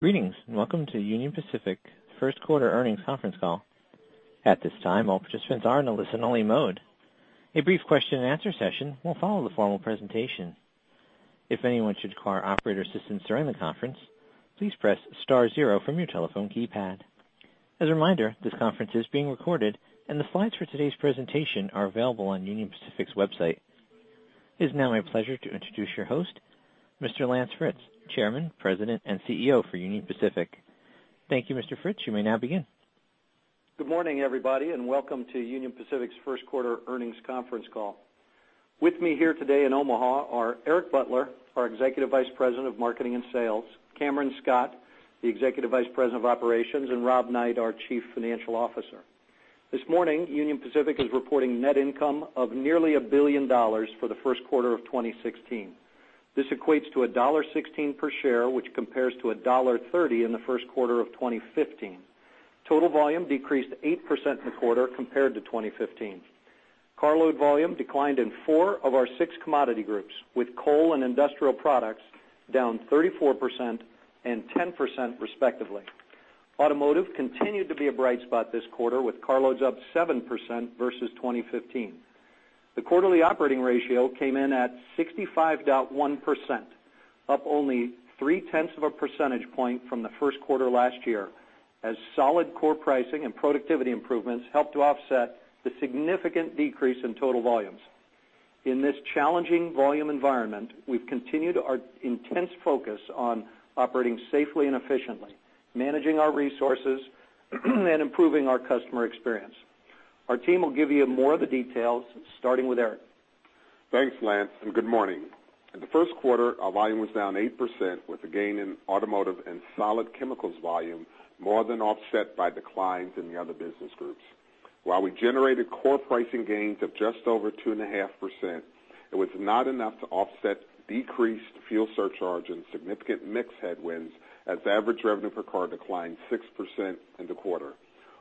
Greetings, welcome to Union Pacific first quarter earnings conference call. At this time, all participants are in a listen-only mode. A brief question and answer session will follow the formal presentation. If anyone should require operator assistance during the conference, please press star zero from your telephone keypad. As a reminder, this conference is being recorded, and the slides for today's presentation are available on Union Pacific's website. It's now my pleasure to introduce your host, Mr. Lance Fritz, Chairman, President, and CEO for Union Pacific. Thank you, Mr. Fritz. You may now begin. Good morning, everybody, welcome to Union Pacific's first quarter earnings conference call. With me here today in Omaha are Eric Butler, our Executive Vice President of Marketing and Sales, Cameron Scott, the Executive Vice President of Operations, and Robert Knight, our Chief Financial Officer. This morning, Union Pacific is reporting net income of nearly $1 billion for the first quarter of 2016. This equates to $1.16 per share, which compares to $1.30 in the first quarter of 2015. Total volume decreased 8% in the quarter compared to 2015. Carload volume declined in four of our six commodity groups, with coal and industrial products down 34% and 10% respectively. Automotive continued to be a bright spot this quarter, with carloads up 7% versus 2015. The quarterly operating ratio came in at 65.1%, up only three-tenths of a percentage point from the first quarter last year, as solid core pricing and productivity improvements helped to offset the significant decrease in total volumes. In this challenging volume environment, we've continued our intense focus on operating safely and efficiently, managing our resources, and improving our customer experience. Our team will give you more of the details, starting with Eric. Thanks, Lance, good morning. In the first quarter, our volume was down 8%, with a gain in automotive and solid chemicals volume more than offset by declines in the other business groups. While we generated core pricing gains of just over two and a half %, it was not enough to offset decreased fuel surcharge and significant mix headwinds, as average revenue per car declined 6% in the quarter.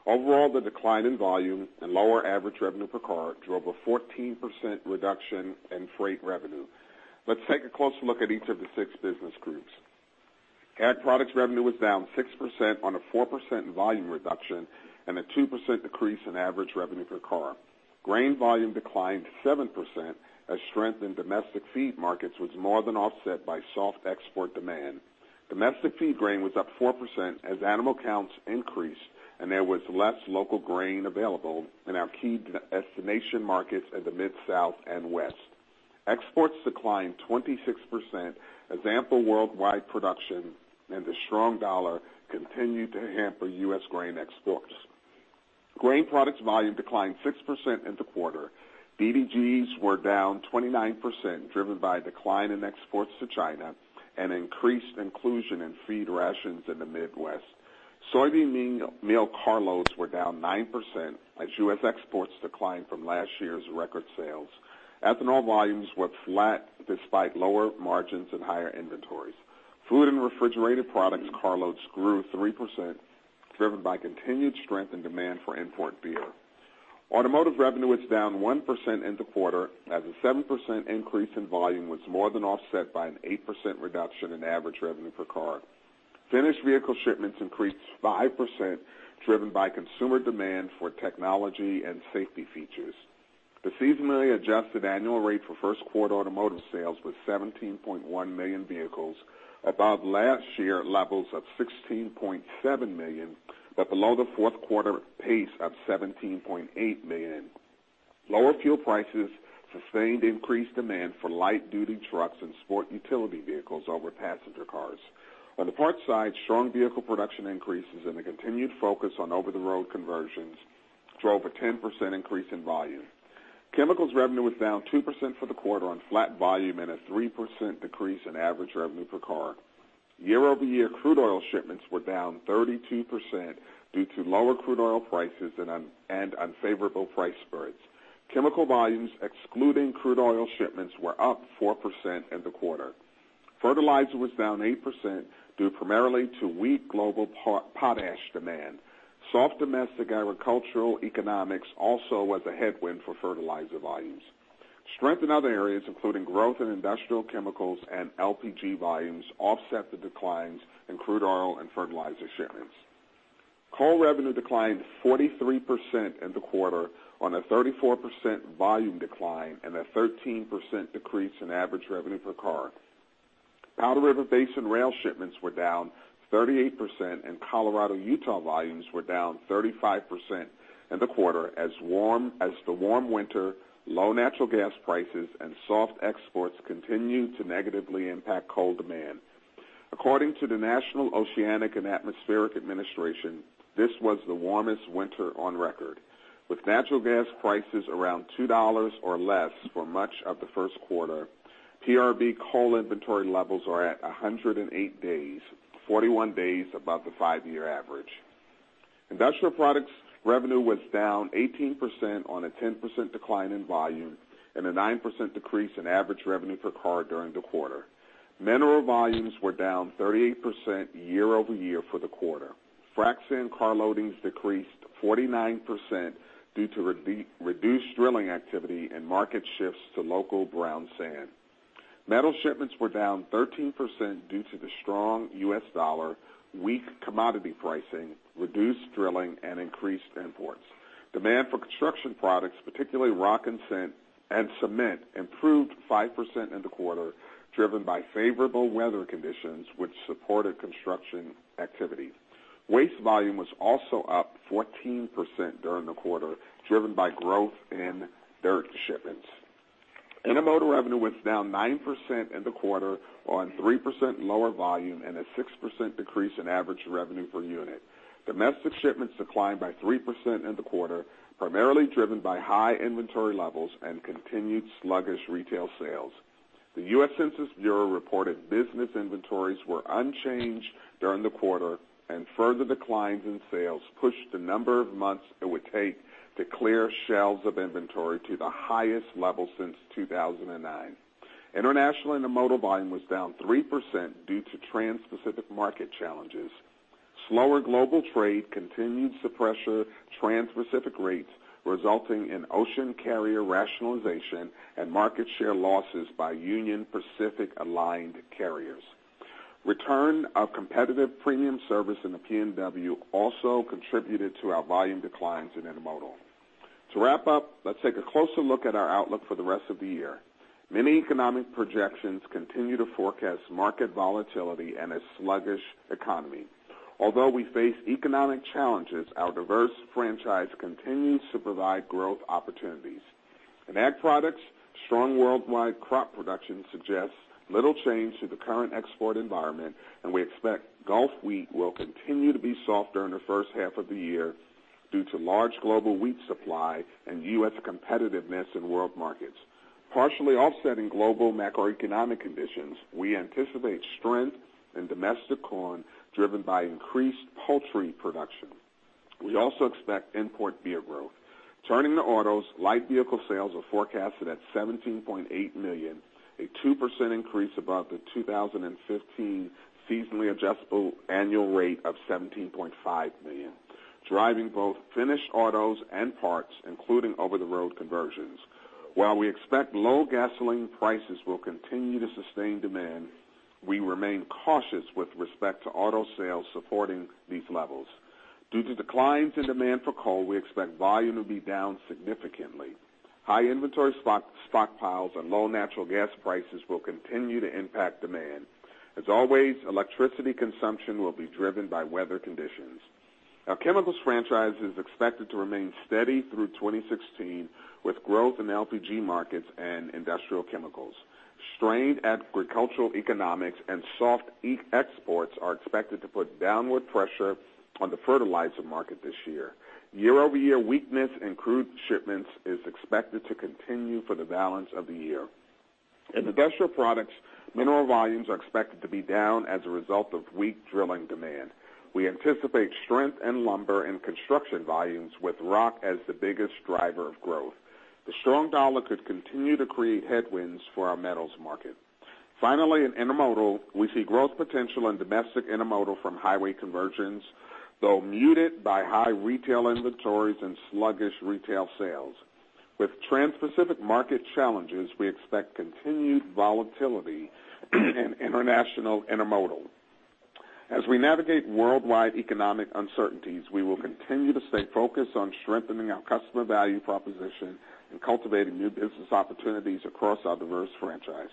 Overall, the decline in volume and lower average revenue per car drove a 14% reduction in freight revenue. Let's take a closer look at each of the six business groups. Ag products revenue was down 6% on a 4% volume reduction and a 2% decrease in average revenue per car. Grain volume declined 7% as strength in domestic feed markets was more than offset by soft export demand. Domestic feed grain was up 4% as animal counts increased and there was less local grain available in our key destination markets in the mid-South and West. Exports declined 26% as ample worldwide production and the strong dollar continued to hamper U.S. grain exports. Grain products volume declined 6% in the quarter. DDGs were down 29%, driven by a decline in exports to China and increased inclusion in feed rations in the Midwest. Soybean meal carloads were down 9% as U.S. exports declined from last year's record sales. Ethanol volumes were flat despite lower margins and higher inventories. Food and refrigerated products carloads grew 3%, driven by continued strength and demand for import beer. Automotive revenue was down 1% in the quarter as a 7% increase in volume was more than offset by an 8% reduction in average revenue per car. Finished vehicle shipments increased 5%, driven by consumer demand for technology and safety features. The seasonally adjusted annual rate for first-quarter automotive sales was 17.1 million vehicles, above last year levels of 16.7 million, but below the fourth quarter pace of 17.8 million. Lower fuel prices sustained increased demand for light-duty trucks and sport utility vehicles over passenger cars. On the parts side, strong vehicle production increases and a continued focus on over-the-road conversions drove a 10% increase in volume. Chemicals revenue was down 2% for the quarter on flat volume and a 3% decrease in average revenue per car. Year-over-year, crude oil shipments were down 32% due to lower crude oil prices and unfavorable price spreads. Chemical volumes, excluding crude oil shipments, were up 4% in the quarter. Fertilizer was down 8% due primarily to weak global potash demand. Soft domestic agricultural economics also was a headwind for fertilizer volumes. Strength in other areas, including growth in industrial chemicals and LPG volumes, offset the declines in crude oil and fertilizer shipments. Coal revenue declined 43% in the quarter on a 34% volume decline and a 13% decrease in average revenue per car. Powder River Basin rail shipments were down 38%, and Colorado-Utah volumes were down 35% in the quarter as the warm winter, low natural gas prices, and soft exports continued to negatively impact coal demand. According to the National Oceanic and Atmospheric Administration, this was the warmest winter on record. With natural gas prices around $2 or less for much of the first quarter, PRB coal inventory levels are at 108 days, 41 days above the five-year average. Industrial products revenue was down 18% on a 10% decline in volume and a 9% decrease in average revenue per car during the quarter. Mineral volumes were down 38% year-over-year. Frac sand car loadings decreased 49% due to reduced drilling activity and market shifts to local brown sand. Metal shipments were down 13% due to the strong U.S. dollar, weak commodity pricing, reduced drilling, and increased imports. Demand for construction products, particularly rock and cement, improved 5% in the quarter, driven by favorable weather conditions which supported construction activity. Waste volume was also up 14% during the quarter, driven by growth in dirt shipments. Intermodal revenue was down 9% in the quarter on 3% lower volume and a 6% decrease in average revenue per unit. Domestic shipments declined by 3% in the quarter, primarily driven by high inventory levels and continued sluggish retail sales. The U.S. Census Bureau reported business inventories were unchanged during the quarter. Further declines in sales pushed the number of months it would take to clear shelves of inventory to the highest level since 2009. International intermodal volume was down 3% due to transpacific market challenges. Slower global trade continued to pressure transpacific rates, resulting in ocean carrier rationalization and market share losses by Union Pacific-aligned carriers. Return of competitive premium service in the PNW also contributed to our volume declines in intermodal. To wrap up, let's take a closer look at our outlook for the rest of the year. Many economic projections continue to forecast market volatility and a sluggish economy. Although we face economic challenges, our diverse franchise continues to provide growth opportunities. In ag products, strong worldwide crop production suggests little change to the current export environment. We expect Gulf wheat will continue to be soft during the first half of the year due to large global wheat supply and U.S. competitiveness in world markets. Partially offsetting global macroeconomic conditions, we anticipate strength in domestic corn driven by increased poultry production. We also expect import beer growth. Turning to autos, light vehicle sales are forecasted at 17.8 million, a 2% increase above the 2015 seasonally adjustable annual rate of 17.5 million, driving both finished autos and parts, including over-the-road conversions. While we expect low gasoline prices will continue to sustain demand, we remain cautious with respect to auto sales supporting these levels. Due to declines in demand for coal, we expect volume to be down significantly. High inventory stockpiles and low natural gas prices will continue to impact demand. As always, electricity consumption will be driven by weather conditions. Our chemicals franchise is expected to remain steady through 2016, with growth in LPG markets and industrial chemicals. Strained agricultural economics and soft exports are expected to put downward pressure on the fertilizer market this year. Year-over-year weakness in crude shipments is expected to continue for the balance of the year. In industrial products, mineral volumes are expected to be down as a result of weak drilling demand. We anticipate strength in lumber and construction volumes with rock as the biggest driver of growth. The strong dollar could continue to create headwinds for our metals market. Finally, in intermodal, we see growth potential in domestic intermodal from highway conversions, though muted by high retail inventories and sluggish retail sales. With transpacific market challenges, we expect continued volatility in international intermodal. As we navigate worldwide economic uncertainties, we will continue to stay focused on strengthening our customer value proposition and cultivating new business opportunities across our diverse franchise.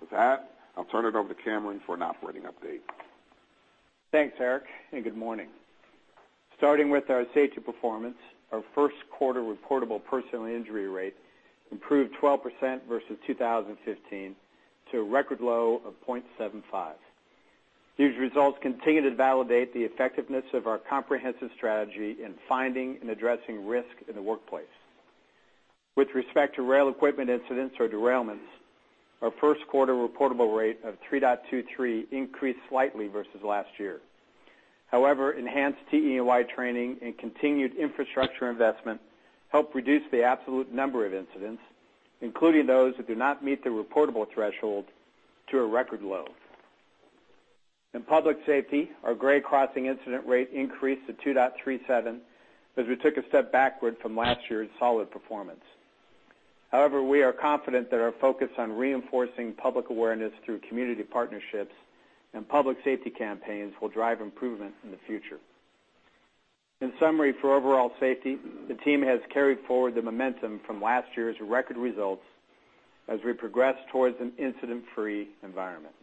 With that, I'll turn it over to Cameron for an operating update. Thanks, Eric, and good morning. Starting with our safety performance, our first quarter reportable personal injury rate improved 12% versus 2015 to a record low of 0.75. These results continue to validate the effectiveness of our comprehensive strategy in finding and addressing risk in the workplace. With respect to rail equipment incidents or derailments, our first quarter reportable rate of 3.23 increased slightly versus last year. However, enhanced TE&Y training and continued infrastructure investment helped reduce the absolute number of incidents, including those that do not meet the reportable threshold, to a record low. In public safety, our grade crossing incident rate increased to 2.37 as we took a step backward from last year's solid performance. However, we are confident that our focus on reinforcing public awareness through community partnerships and public safety campaigns will drive improvement in the future. In summary, for overall safety, the team has carried forward the momentum from last year's record results as we progress towards an incident-free environment.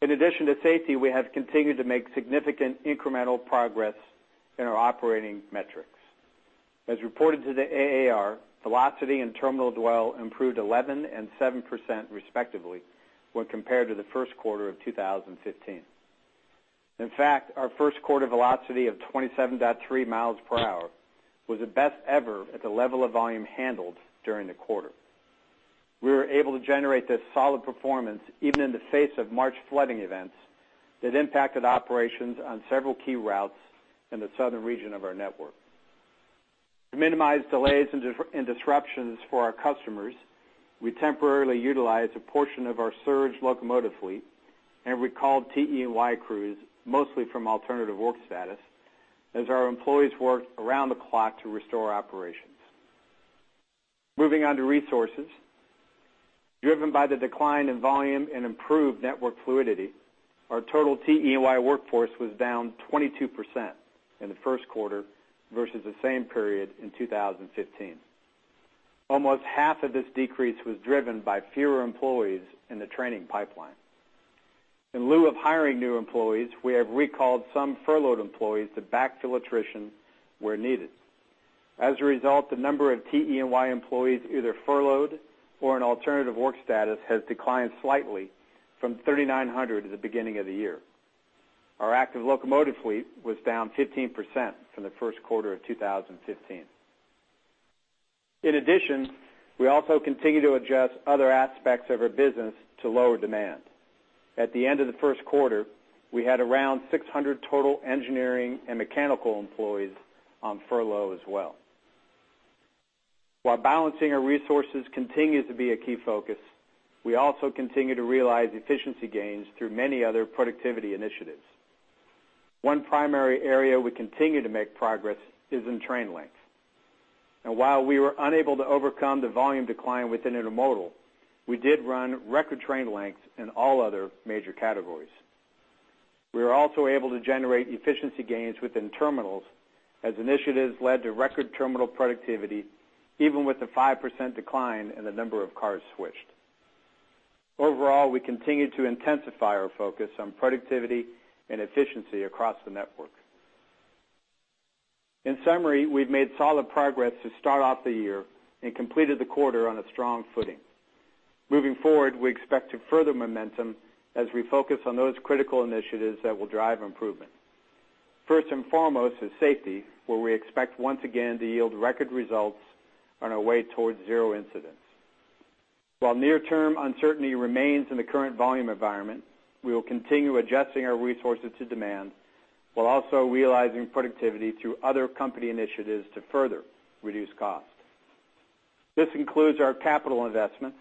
In addition to safety, we have continued to make significant incremental progress in our operating metrics. As reported to the AAR, velocity and terminal dwell improved 11% and 7% respectively when compared to the first quarter of 2015. In fact, our first quarter velocity of 27.3 miles per hour was the best ever at the level of volume handled during the quarter. We were able to generate this solid performance even in the face of March flooding events that impacted operations on several key routes in the southern region of our network. To minimize delays and disruptions for our customers, we temporarily utilized a portion of our surge locomotive fleet and recalled TE&Y crews, mostly from alternative work status, as our employees worked around the clock to restore operations. Moving on to resources. Driven by the decline in volume and improved network fluidity, our total TE&Y workforce was down 22% in the first quarter versus the same period in 2015. Almost half of this decrease was driven by fewer employees in the training pipeline. In lieu of hiring new employees, we have recalled some furloughed employees to backfill attrition where needed. As a result, the number of TE&Y employees, either furloughed or on alternative work status, has declined slightly from 3,900 at the beginning of the year. Our active locomotive fleet was down 15% from the first quarter of 2015. In addition, we also continue to adjust other aspects of our business to lower demand. At the end of the first quarter, we had around 600 total engineering and mechanical employees on furlough as well. While balancing our resources continues to be a key focus, we also continue to realize efficiency gains through many other productivity initiatives. One primary area we continue to make progress is in train length. While we were unable to overcome the volume decline within intermodal, we did run record train lengths in all other major categories. We were also able to generate efficiency gains within terminals as initiatives led to record terminal productivity, even with a 5% decline in the number of cars switched. Overall, we continue to intensify our focus on productivity and efficiency across the network. In summary, we've made solid progress to start off the year and completed the quarter on a strong footing. Moving forward, we expect to further momentum as we focus on those critical initiatives that will drive improvement. First and foremost is safety, where we expect once again to yield record results on our way towards zero incidents. While near-term uncertainty remains in the current volume environment, we will continue adjusting our resources to demand, while also realizing productivity through other company initiatives to further reduce cost. This includes our capital investments,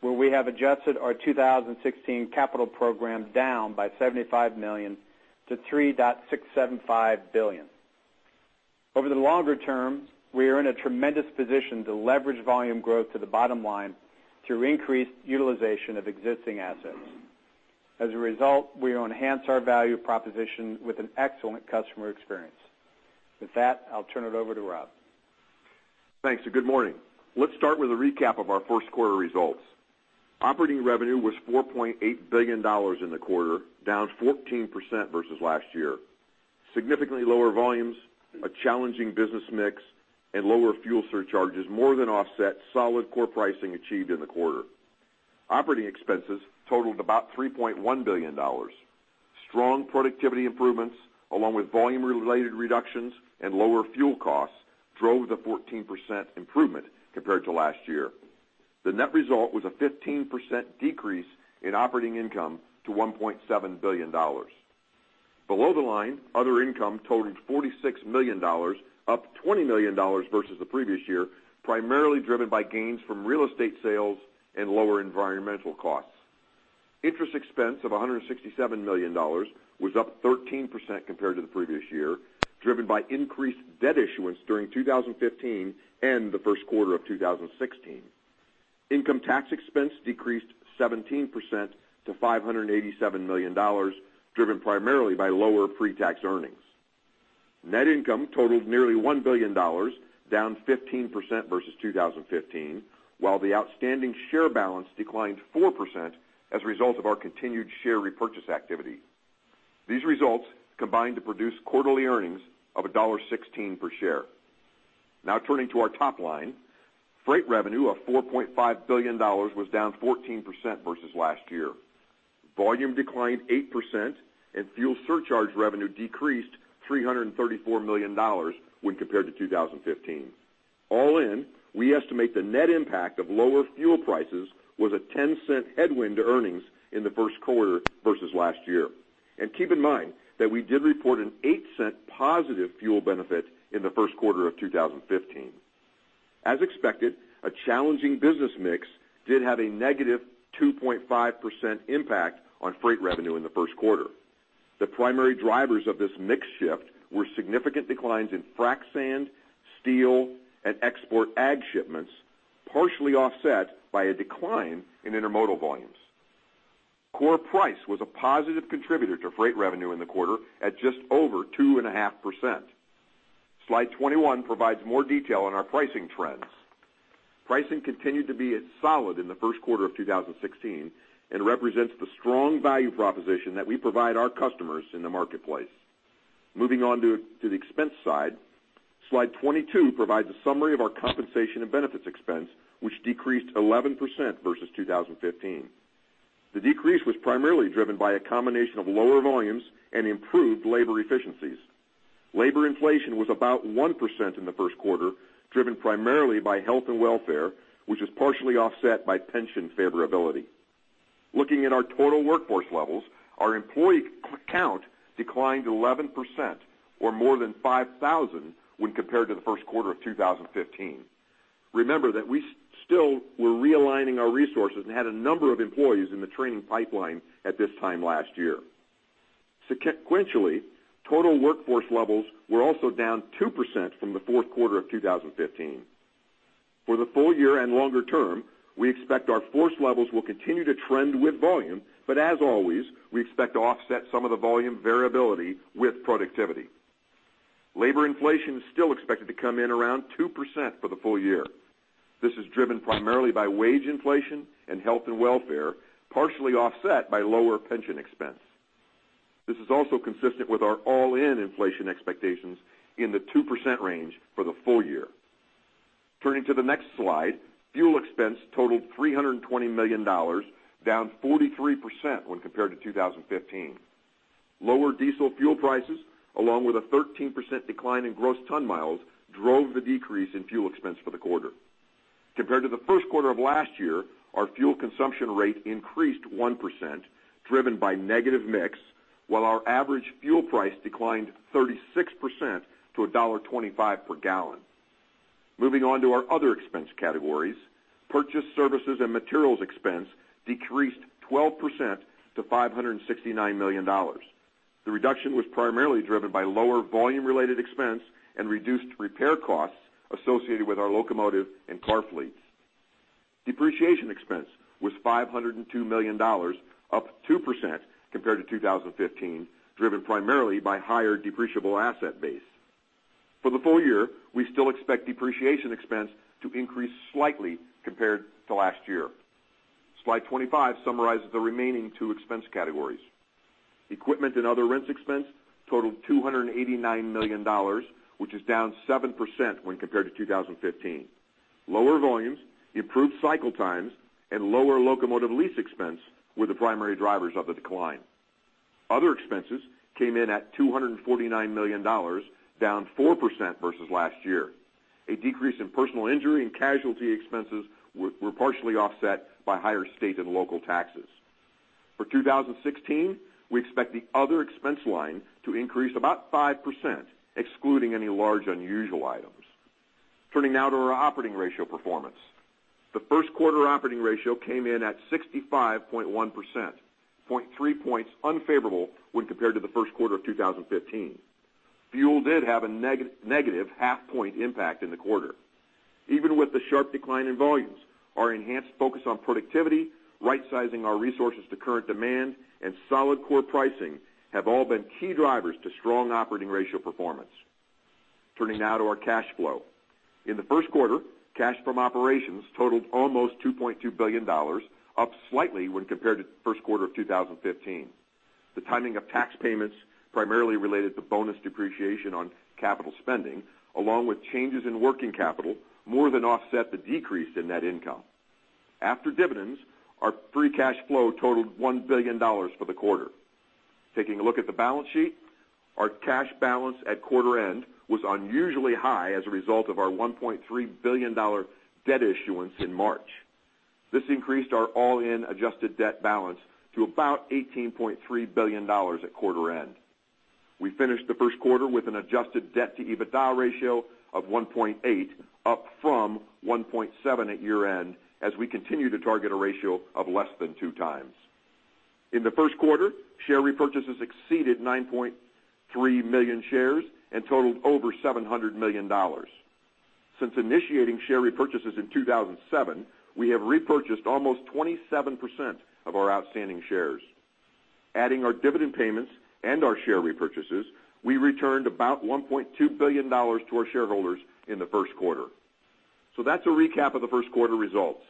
where we have adjusted our 2016 capital program down by $75 million to $3.675 billion. Over the longer term, we are in a tremendous position to leverage volume growth to the bottom line through increased utilization of existing assets. As a result, we enhance our value proposition with an excellent customer experience. With that, I'll turn it over to Rob. Thanks. Good morning. Let's start with a recap of our first quarter results. Operating revenue was $4.8 billion in the quarter, down 14% versus last year. Significantly lower volumes, a challenging business mix, and lower fuel surcharges more than offset solid core pricing achieved in the quarter. Operating expenses totaled about $3.1 billion. Strong productivity improvements, along with volume-related reductions and lower fuel costs, drove the 14% improvement compared to last year. The net result was a 15% decrease in operating income to $1.7 billion. Below the line, other income totaled $46 million, up $20 million versus the previous year, primarily driven by gains from real estate sales and lower environmental costs. Interest expense of $167 million was up 13% compared to the previous year, driven by increased debt issuance during 2015 and the first quarter of 2016. Income tax expense decreased 17% to $587 million, driven primarily by lower pre-tax earnings. Net income totaled nearly $1 billion, down 15% versus 2015, while the outstanding share balance declined 4% as a result of our continued share repurchase activity. These results combined to produce quarterly earnings of $1.16 per share. Now turning to our top line. Freight revenue of $4.5 billion was down 14% versus last year. Volume declined 8%, and fuel surcharge revenue decreased $334 million when compared to 2015. All in, we estimate the net impact of lower fuel prices was a $0.10 headwind to earnings in the first quarter versus last year. Keep in mind that we did report a $0.08 positive fuel benefit in the first quarter of 2015. As expected, a challenging business mix did have a negative 2.5% impact on freight revenue in the first quarter. The primary drivers of this mix shift were significant declines in frac sand, steel, and export ag shipments, partially offset by a decline in intermodal volumes. Core price was a positive contributor to freight revenue in the quarter at just over 2.5%. Slide 21 provides more detail on our pricing trends. Pricing continued to be solid in the first quarter of 2016 and represents the strong value proposition that we provide our customers in the marketplace. Moving on to the expense side. Slide 22 provides a summary of our compensation and benefits expense, which decreased 11% versus 2015. The decrease was primarily driven by a combination of lower volumes and improved labor efficiencies. Labor inflation was about 1% in the first quarter, driven primarily by health and welfare, which was partially offset by pension favorability. Looking in our total workforce levels, our employee count declined 11%, or more than 5,000 when compared to the first quarter of 2015. Remember that we still were realigning our resources and had a number of employees in the training pipeline at this time last year. Sequentially, total workforce levels were also down 2% from the fourth quarter of 2015. For the full year and longer term, we expect our force levels will continue to trend with volume. As always, we expect to offset some of the volume variability with productivity. Labor inflation is still expected to come in around 2% for the full year. This is driven primarily by wage inflation and health and welfare, partially offset by lower pension expense. This is also consistent with our all-in inflation expectations in the 2% range for the full year. Turning to the next slide, fuel expense totaled $320 million, down 43% when compared to 2015. Lower diesel fuel prices, along with a 13% decline in gross ton miles, drove the decrease in fuel expense for the quarter. Compared to the first quarter of last year, our fuel consumption rate increased 1%, driven by negative mix, while our average fuel price declined 36% to $1.25 per gallon. Moving on to our other expense categories, purchase services and materials expense decreased 12% to $569 million. The reduction was primarily driven by lower volume-related expense and reduced repair costs associated with our locomotive and car fleets. Depreciation expense was $502 million, up 2% compared to 2015, driven primarily by higher depreciable asset base. For the full year, we still expect depreciation expense to increase slightly compared to last year. Slide 25 summarizes the remaining two expense categories. Equipment and other rents expense totaled $289 million, which is down 7% when compared to 2015. Lower volumes, improved cycle times, and lower locomotive lease expense were the primary drivers of the decline. Other expenses came in at $249 million, down 4% versus last year. A decrease in personal injury and casualty expenses were partially offset by higher state and local taxes. For 2016, we expect the other expense line to increase about 5%, excluding any large, unusual items. Turning now to our operating ratio performance. The first quarter operating ratio came in at 65.1%, 0.3 points unfavorable when compared to the first quarter of 2015. Fuel did have a negative half point impact in the quarter. Even with the sharp decline in volumes, our enhanced focus on productivity, rightsizing our resources to current demand, and solid core pricing have all been key drivers to strong operating ratio performance. Turning now to our cash flow. In the first quarter, cash from operations totaled almost $2.2 billion, up slightly when compared to the first quarter of 2015. The timing of tax payments, primarily related to bonus depreciation on capital spending, along with changes in working capital, more than offset the decrease in net income. After dividends, our free cash flow totaled $1 billion for the quarter. Taking a look at the balance sheet, our cash balance at quarter end was unusually high as a result of our $1.3 billion debt issuance in March. This increased our all-in adjusted debt balance to about $18.3 billion at quarter end. We finished the first quarter with an adjusted debt to EBITDA ratio of 1.8, up from 1.7 at year-end, as we continue to target a ratio of less than 2 times. In the first quarter, share repurchases exceeded 9.3 million shares and totaled over $700 million. Since initiating share repurchases in 2007, we have repurchased almost 27% of our outstanding shares. Adding our dividend payments and our share repurchases, we returned about $1.2 billion to our shareholders in the first quarter. That's a recap of the first quarter results.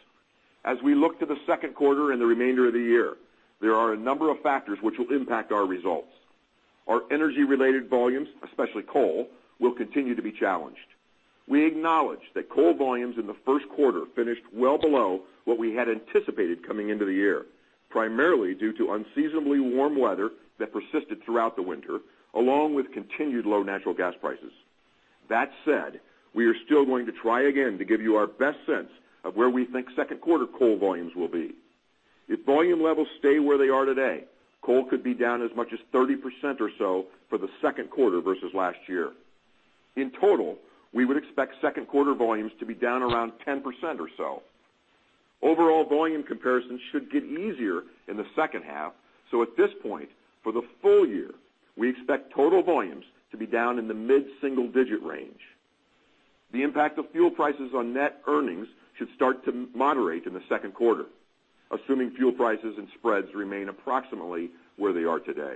As we look to the second quarter and the remainder of the year, there are a number of factors which will impact our results. Our energy-related volumes, especially coal, will continue to be challenged. We acknowledge that coal volumes in the first quarter finished well below what we had anticipated coming into the year, primarily due to unseasonably warm weather that persisted throughout the winter, along with continued low natural gas prices. That said, we are still going to try again to give you our best sense of where we think second quarter coal volumes will be. If volume levels stay where they are today, coal could be down as much as 30% or so for the second quarter versus last year. In total, we would expect second quarter volumes to be down around 10% or so. Overall volume comparisons should get easier in the second half. At this point, for the full year, we expect total volumes to be down in the mid-single digit range. The impact of fuel prices on net earnings should start to moderate in the second quarter, assuming fuel prices and spreads remain approximately where they are today.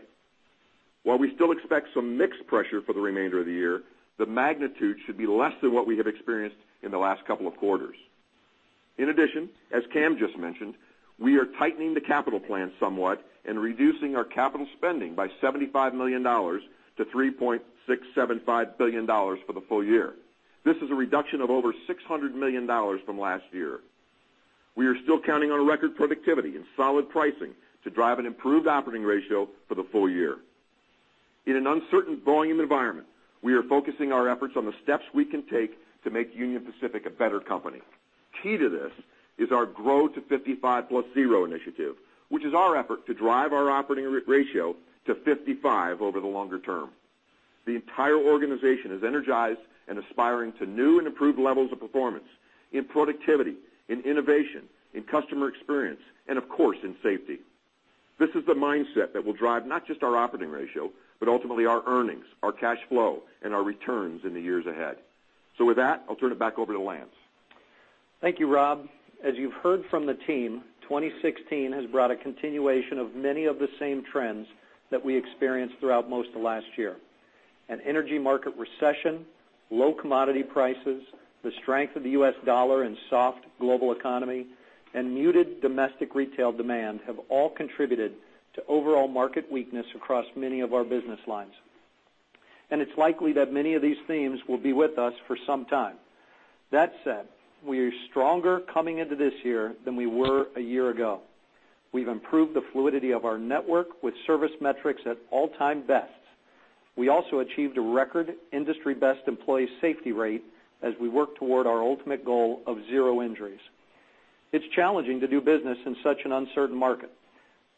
While we still expect some mixed pressure for the remainder of the year, the magnitude should be less than what we have experienced in the last couple of quarters. In addition, as Cam just mentioned, we are tightening the capital plan somewhat and reducing our capital spending by $75 million to $3.675 billion for the full year. This is a reduction of over $600 million from last year. We are still counting on record productivity and solid pricing to drive an improved operating ratio for the full year. In an uncertain volume environment, we are focusing our efforts on the steps we can take to make Union Pacific a better company. Key to this is our Grow to 55 Plus Zero initiative, which is our effort to drive our operating ratio to 55 over the longer term. The entire organization is energized and aspiring to new and improved levels of performance in productivity, in innovation, in customer experience, and of course, in safety. This is the mindset that will drive not just our operating ratio, but ultimately our earnings, our cash flow, and our returns in the years ahead. With that, I'll turn it back over to Lance. Thank you, Rob. As you've heard from the team, 2016 has brought a continuation of many of the same trends that we experienced throughout most of last year. An energy market recession, low commodity prices, the strength of the U.S. dollar and soft global economy, and muted domestic retail demand have all contributed to overall market weakness across many of our business lines. It's likely that many of these themes will be with us for some time. That said, we are stronger coming into this year than we were a year ago. We've improved the fluidity of our network with service metrics at all-time bests. We also achieved a record industry best employee safety rate as we work toward our ultimate goal of zero injuries. It's challenging to do business in such an uncertain market,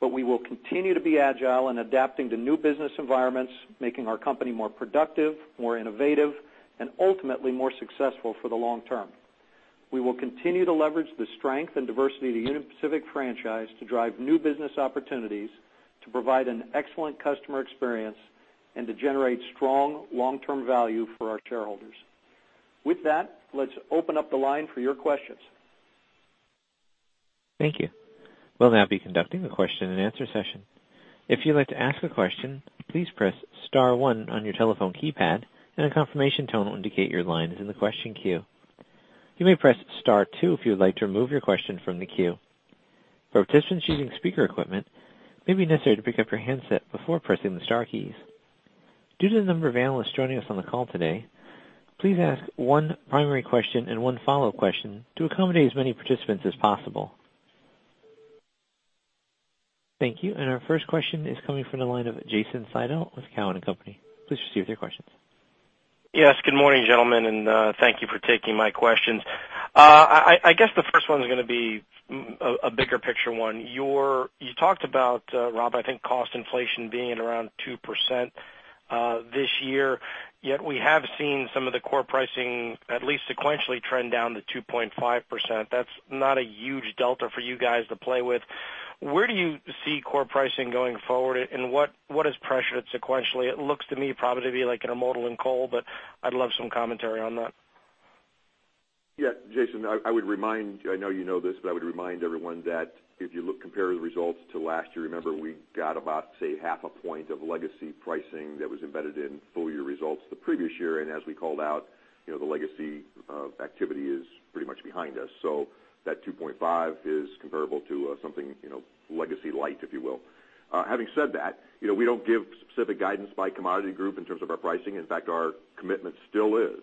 but we will continue to be agile in adapting to new business environments, making our company more productive, more innovative, and ultimately, more successful for the long term. We will continue to leverage the strength and diversity of the Union Pacific franchise to drive new business opportunities, to provide an excellent customer experience, and to generate strong long-term value for our shareholders. With that, let's open up the line for your questions. Thank you. We'll now be conducting a question and answer session. If you'd like to ask a question, please press *1 on your telephone keypad and a confirmation tone will indicate your line is in the question queue. You may press *2 if you would like to remove your question from the queue. For participants using speaker equipment, it may be necessary to pick up your handset before pressing the star keys. Due to the number of analysts joining us on the call today, please ask one primary question and one follow-up question to accommodate as many participants as possible. Thank you. Our first question is coming from the line of Jason Seidl with Cowen and Company. Please proceed with your questions. Yes, good morning, gentlemen, and thank you for taking my questions. I guess the first one's going to be a bigger picture one. You talked about, Rob, I think cost inflation being around 2% this year, yet we have seen some of the core pricing, at least sequentially, trend down to 2.5%. That's not a huge delta for you guys to play with. Where do you see core pricing going forward, and what has pressured it sequentially? It looks to me probably to be intermodal in coal, but I'd love some commentary on that. Yeah, Jason, I know you know this, but I would remind everyone that if you compare the results to last year, remember, we got about, say, half a point of legacy pricing that was embedded in full-year results the previous year. As we called out, the legacy of activity is pretty much behind us. That 2.5 is comparable to something legacy light, if you will. Having said that, we don't give specific guidance by commodity group in terms of our pricing. In fact, our commitment still is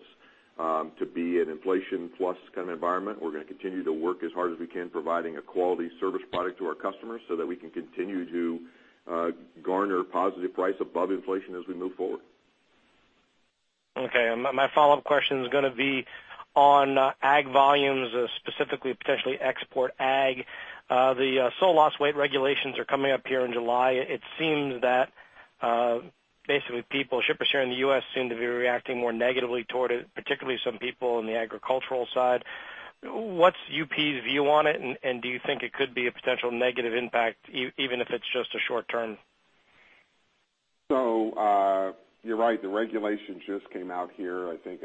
to be an inflation plus kind of environment. We're going to continue to work as hard as we can, providing a quality service product to our customers so that we can continue to garner a positive price above inflation as we move forward. Okay. My follow-up question is going to be on ag volumes, specifically, potentially export ag. The SOLAS weight regulations are coming up here in July. It seems that basically shippers here in the U.S. seem to be reacting more negatively toward it, particularly some people in the agricultural side. What's UP's view on it, and do you think it could be a potential negative impact, even if it's just a short term? You're right. The regulation just came out here, I think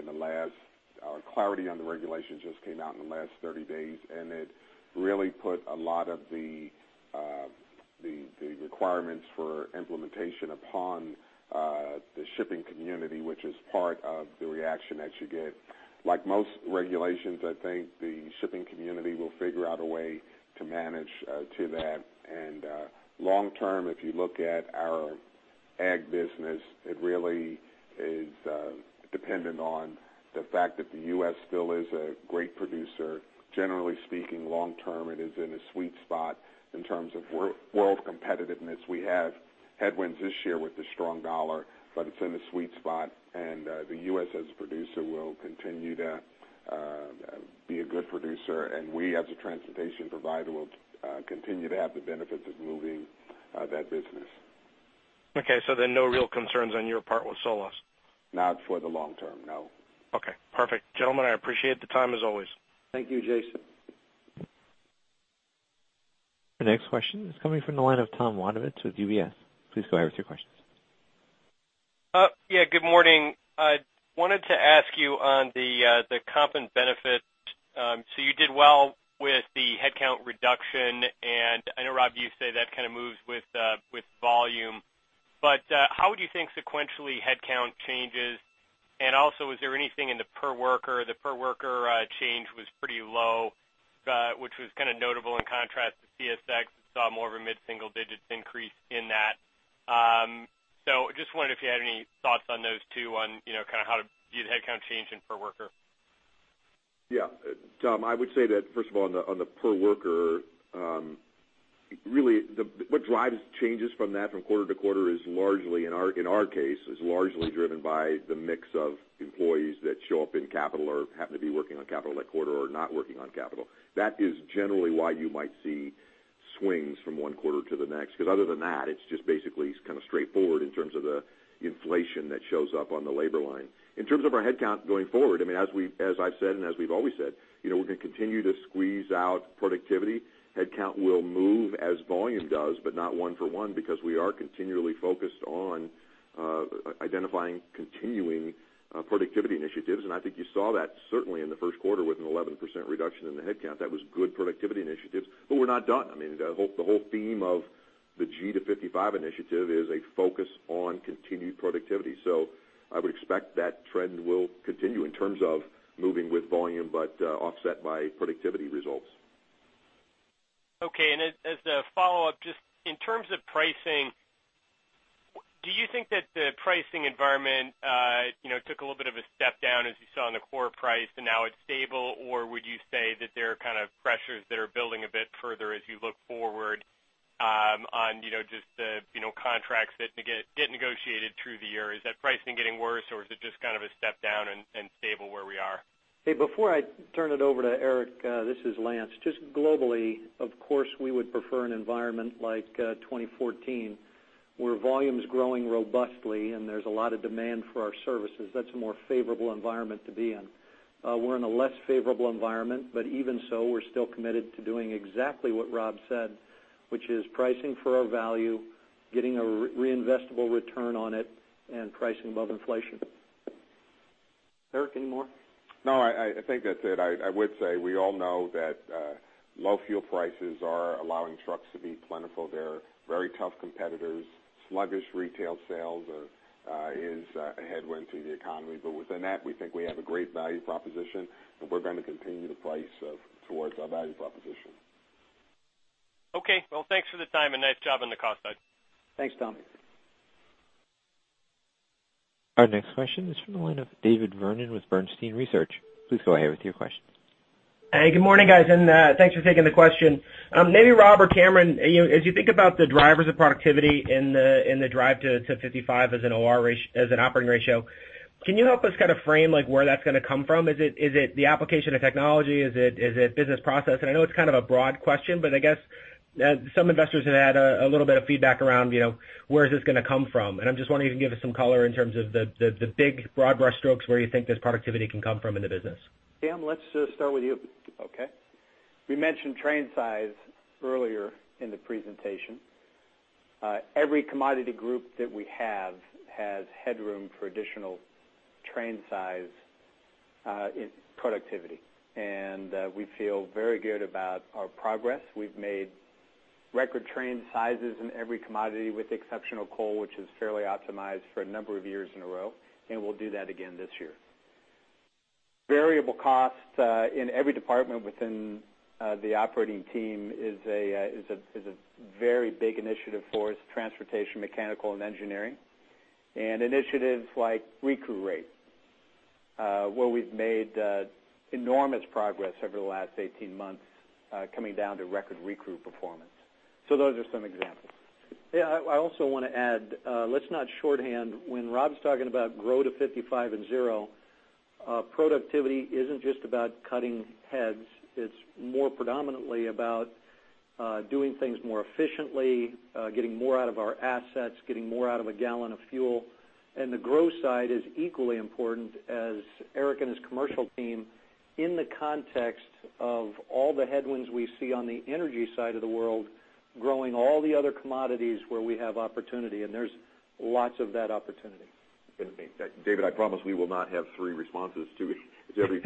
clarity on the regulation just came out in the last 30 days, and it really put a lot of the requirements for implementation upon the shipping community, which is part of the reaction that you get. Like most regulations, I think the shipping community will figure out a way to manage to that. Long term, if you look at our ag business, it really is dependent on the fact that the U.S. still is a great producer. Generally speaking, long term, it is in a sweet spot in terms of world competitiveness. We have headwinds this year with the strong dollar. It's in a sweet spot, and the U.S. as a producer will continue to be a good producer. We, as a transportation provider, will continue to have the benefits of moving that business. No real concerns on your part with SOLAS. Not for the long term, no. Perfect. Gentlemen, I appreciate the time as always. Thank you, Jason. The next question is coming from the line of Thomas Wadewitz with UBS. Please go ahead with your questions. Good morning. I wanted to ask you on the comp and benefit. You did well with the headcount reduction, and I know, Rob, you say that kind of moves with volume. How would you think sequentially headcount changes? Also, is there anything in the per worker? The per worker change was pretty low, which was kind of notable in contrast to CSX, who saw more of a mid-single-digit increase in that. Just wondering if you had any thoughts on those two on how to view the headcount change in per worker. Tom, I would say that, first of all, on the per worker, really, what drives changes from that from quarter to quarter, in our case, is largely driven by the mix of employees that show up in capital or happen to be working on capital that quarter or not working on capital. That is generally why you might see swings from one quarter to the next, because other than that, it's just basically straightforward in terms of the inflation that shows up on the labor line. In terms of our headcount going forward, as I've said and as we've always said, we're going to continue to squeeze out productivity. Headcount will move as volume does, but not one for one, because we are continually focused on identifying continuing productivity initiatives. I think you saw that certainly in the first quarter with an 11% reduction in the headcount. That was good productivity initiatives, we're not done. The whole theme of the G to 55 initiative is a focus on continued productivity. I would expect that trend will continue in terms of moving with volume, but offset by productivity results. Okay, as the follow-up, just in terms of pricing, do you think that the pricing environment took a little bit of a step down as you saw in the core price and now it's stable? Would you say that there are pressures that are building a bit further as you look forward on just the contracts that get negotiated through the year? Is that pricing getting worse, or is it just a step down and stable where we are? Hey, before I turn it over to Eric, this is Lance. Just globally, of course, we would prefer an environment like 2014, where volume is growing robustly and there's a lot of demand for our services. That's a more favorable environment to be in. We're in a less favorable environment, even so, we're still committed to doing exactly what Rob said, which is pricing for our value, getting a reinvestable return on it, and pricing above inflation. Eric, any more? No, I think that's it. I would say we all know that low fuel prices are allowing trucks to be plentiful. They're very tough competitors. Sluggish retail sales is a headwind to the economy. Within that, we think we have a great value proposition, and we're going to continue to price towards our value proposition. Okay. Well, thanks for the time, nice job on the cost side. Thanks, Tom. Our next question is from the line of David Vernon with Bernstein Research. Please go ahead with your questions. Hey, good morning, guys. Thanks for taking the question. Maybe Rob or Cameron, as you think about the drivers of productivity in the Drive to 55 as an operating ratio, can you help us frame where that's going to come from? I know it's kind of a broad question, I guess some investors have had a little bit of feedback around where is this going to come from. I'm just wondering if you can give us some color in terms of the big, broad brush strokes where you think this productivity can come from in the business. Cam, let's start with you. Okay. We mentioned train size earlier in the presentation. Every commodity group that we have has headroom for additional train size productivity, and we feel very good about our progress. We've made record train sizes in every commodity with exceptional coal, which is fairly optimized for a number of years in a row, and we'll do that again this year. Variable cost in every department within the operating team is a very big initiative for us, transportation, mechanical, and engineering. Initiatives like recrew rate where we've made enormous progress over the last 18 months coming down to record recrew performance. Those are some examples. Yeah, I also want to add, let's not shorthand when Rob's talking about Grow to 55 and zero, productivity isn't just about cutting heads. It's more predominantly about doing things more efficiently, getting more out of our assets, getting more out of a gallon of fuel. The growth side is equally important as Eric and his commercial team in the context of all the headwinds we see on the energy side of the world, growing all the other commodities where we have opportunity, and there's lots of that opportunity. David, I promise we will not have three responses to every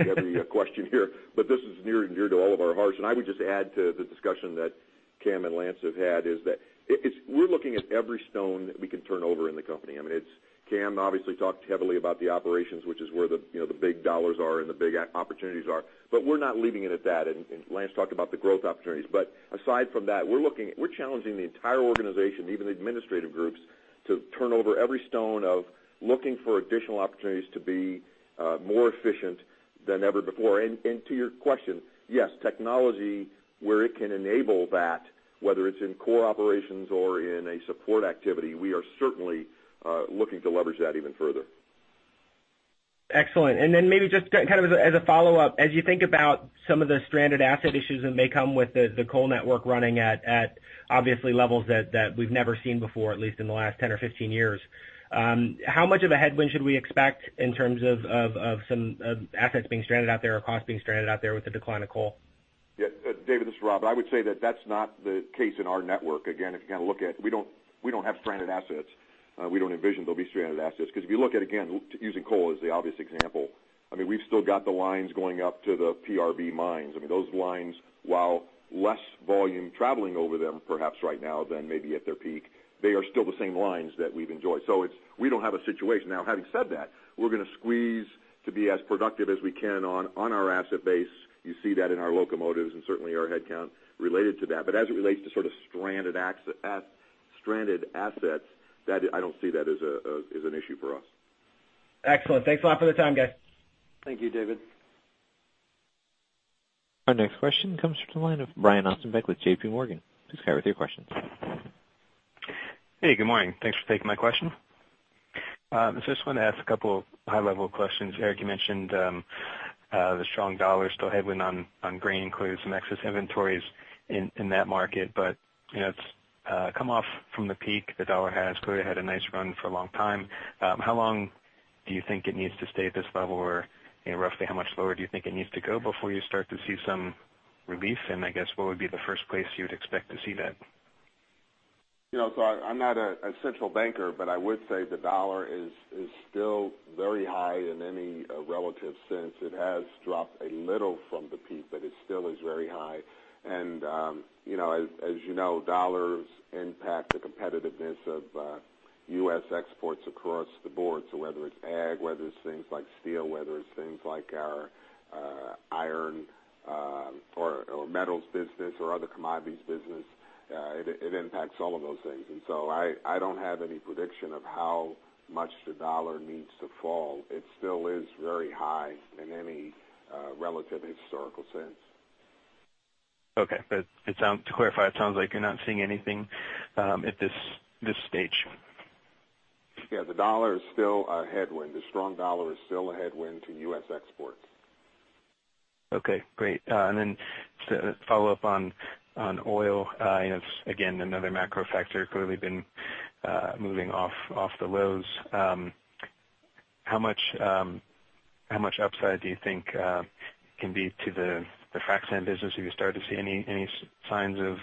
question here, this is near and dear to all of our hearts, I would just add to the discussion that Cam and Lance have had, is that we're looking at every stone that we can turn over in the company. Cam obviously talked heavily about the operations, which is where the big dollars are and the big opportunities are, we're not leaving it at that, Lance talked about the growth opportunities. Aside from that, we're challenging the entire organization, even the administrative groups, to turn over every stone of looking for additional opportunities to be more efficient than ever before. To your question, yes, technology where it can enable that, whether it's in core operations or in a support activity, we are certainly looking to leverage that even further. Excellent. Maybe just as a follow-up, as you think about some of the stranded asset issues that may come with the coal network running at obviously levels that we've never seen before, at least in the last 10 or 15 years, how much of a headwind should we expect in terms of some assets being stranded out there or costs being stranded out there with the decline of coal? David, this is Rob. I would say that that's not the case in our network. Again, if you look at, we don't have stranded assets. We don't envision there'll be stranded assets because if you look at, again, using coal as the obvious example, we've still got the lines going up to the PRB mines. Those lines, while less volume traveling over them perhaps right now than maybe at their peak, they are still the same lines that we've enjoyed. We don't have a situation. Now, having said that, we're going to squeeze to be as productive as we can on our asset base. You see that in our locomotives and certainly our headcount related to that. As it relates to sort of stranded assets Stranded assets, I don't see that as an issue for us. Excellent. Thanks a lot for the time, guys. Thank you, David. Our next question comes from the line of Brian Ossenbeck with JPMorgan. Please go ahead with your questions. Hey, good morning. Thanks for taking my question. I just wanted to ask a couple of high-level questions. Eric, you mentioned the strong dollar still headwind on grain, clearly some excess inventories in that market, but it's come off from the peak. The dollar has clearly had a nice run for a long time. How long do you think it needs to stay at this level or roughly how much lower do you think it needs to go before you start to see some relief? I guess, what would be the first place you would expect to see that? I'm not a central banker, but I would say the dollar is still very high in any relative sense. It has dropped a little from the peak, but it still is very high. As you know, dollars impact the competitiveness of U.S. exports across the board. Whether it's ag, whether it's things like steel, whether it's things like our iron or metals business or other commodities business, it impacts all of those things. I don't have any prediction of how much the dollar needs to fall. It still is very high in any relative historical sense. Okay. To clarify, it sounds like you're not seeing anything at this stage. Yeah, the dollar is still a headwind. The strong dollar is still a headwind to U.S. exports. Okay, great. Then just to follow up on oil, again, another macro factor clearly been moving off the lows. How much upside do you think can be to the frac sand business? Are you starting to see any signs of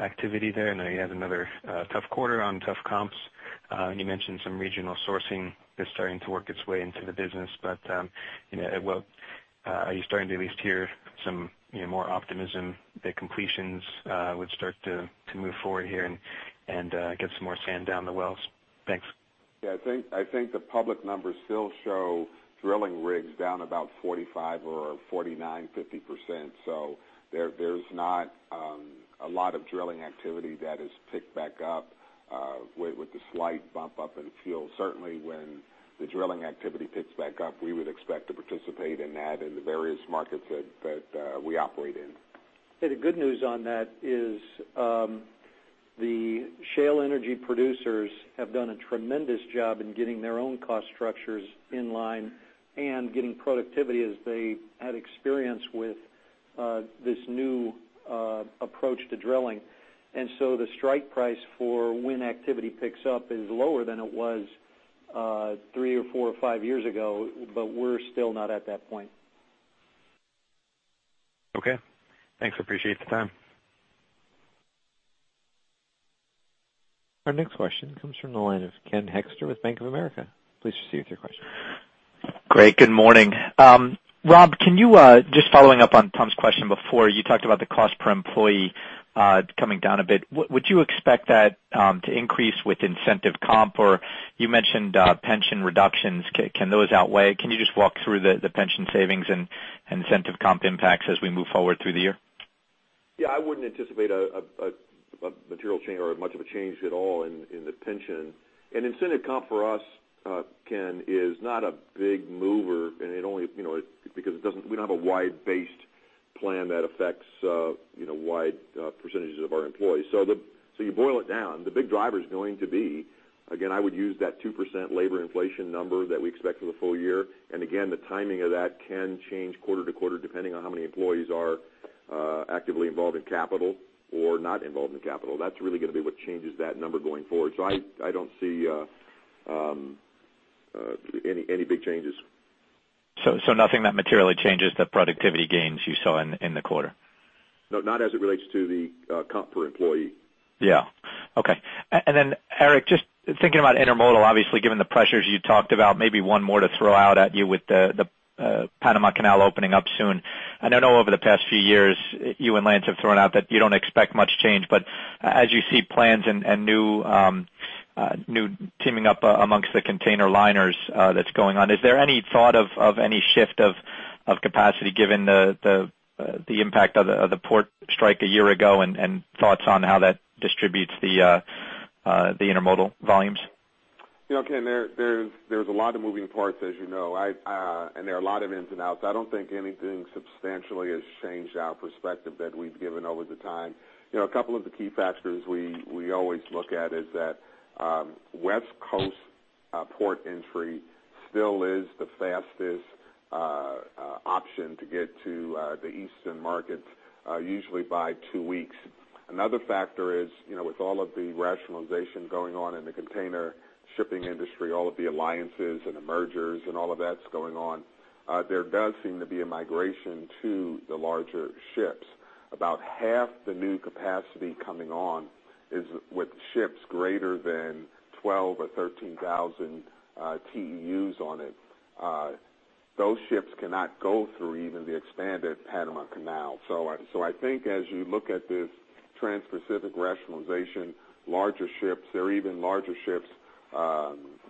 activity there? I know you had another tough quarter on tough comps. You mentioned some regional sourcing that's starting to work its way into the business. Are you starting to at least hear some more optimism that completions would start to move forward here and get some more sand down the wells? Thanks. Yeah, I think the public numbers still show drilling rigs down about 45 or 49, 50%. There's not a lot of drilling activity that has picked back up with the slight bump up in fuel. Certainly, when the drilling activity picks back up, we would expect to participate in that in the various markets that we operate in. The good news on that is the shale energy producers have done a tremendous job in getting their own cost structures in line and getting productivity as they had experience with this new approach to drilling. The strike price for when activity picks up is lower than it was three or four or five years ago, but we're still not at that point. Okay. Thanks. Appreciate the time. Our next question comes from the line of Ken Hoexter with Bank of America. Please proceed with your question. Great. Good morning. Rob, just following up on Tom's question before, you talked about the cost per employee coming down a bit. Would you expect that to increase with incentive comp, or you mentioned pension reductions. Can those outweigh? Can you just walk through the pension savings and incentive comp impacts as we move forward through the year? Yeah, I wouldn't anticipate a material change or much of a change at all in the pension. Incentive comp for us, Ken, is not a big mover because we don't have a wide-based plan that affects wide percentages of our employees. You boil it down, the big driver's going to be, again, I would use that 2% labor inflation number that we expect for the full year. Again, the timing of that can change quarter to quarter depending on how many employees are actively involved in capital or not involved in capital. That's really going to be what changes that number going forward. I don't see any big changes. Nothing that materially changes the productivity gains you saw in the quarter? No, not as it relates to the comp per employee. Yeah. Okay. Eric, just thinking about intermodal, obviously, given the pressures you talked about, maybe one more to throw out at you with the Panama Canal opening up soon. I know over the past few years, you and Lance have thrown out that you don't expect much change. As you see plans and new teaming up amongst the container liners that's going on, is there any thought of any shift of capacity given the impact of the port strike a year ago and thoughts on how that distributes the intermodal volumes? Ken, there's a lot of moving parts, as you know. There are a lot of ins and outs. I don't think anything substantially has changed our perspective that we've given over the time. A couple of the key factors we always look at is that West Coast port entry still is the fastest option to get to the Eastern markets, usually by two weeks. Another factor is, with all of the rationalization going on in the container shipping industry, all of the alliances and the mergers and all of that's going on, there does seem to be a migration to the larger ships. About half the new capacity coming on is with ships greater than 12,000 or 13,000 TEUs on it. Those ships cannot go through even the expanded Panama Canal. I think as you look at this transpacific rationalization, larger ships or even larger ships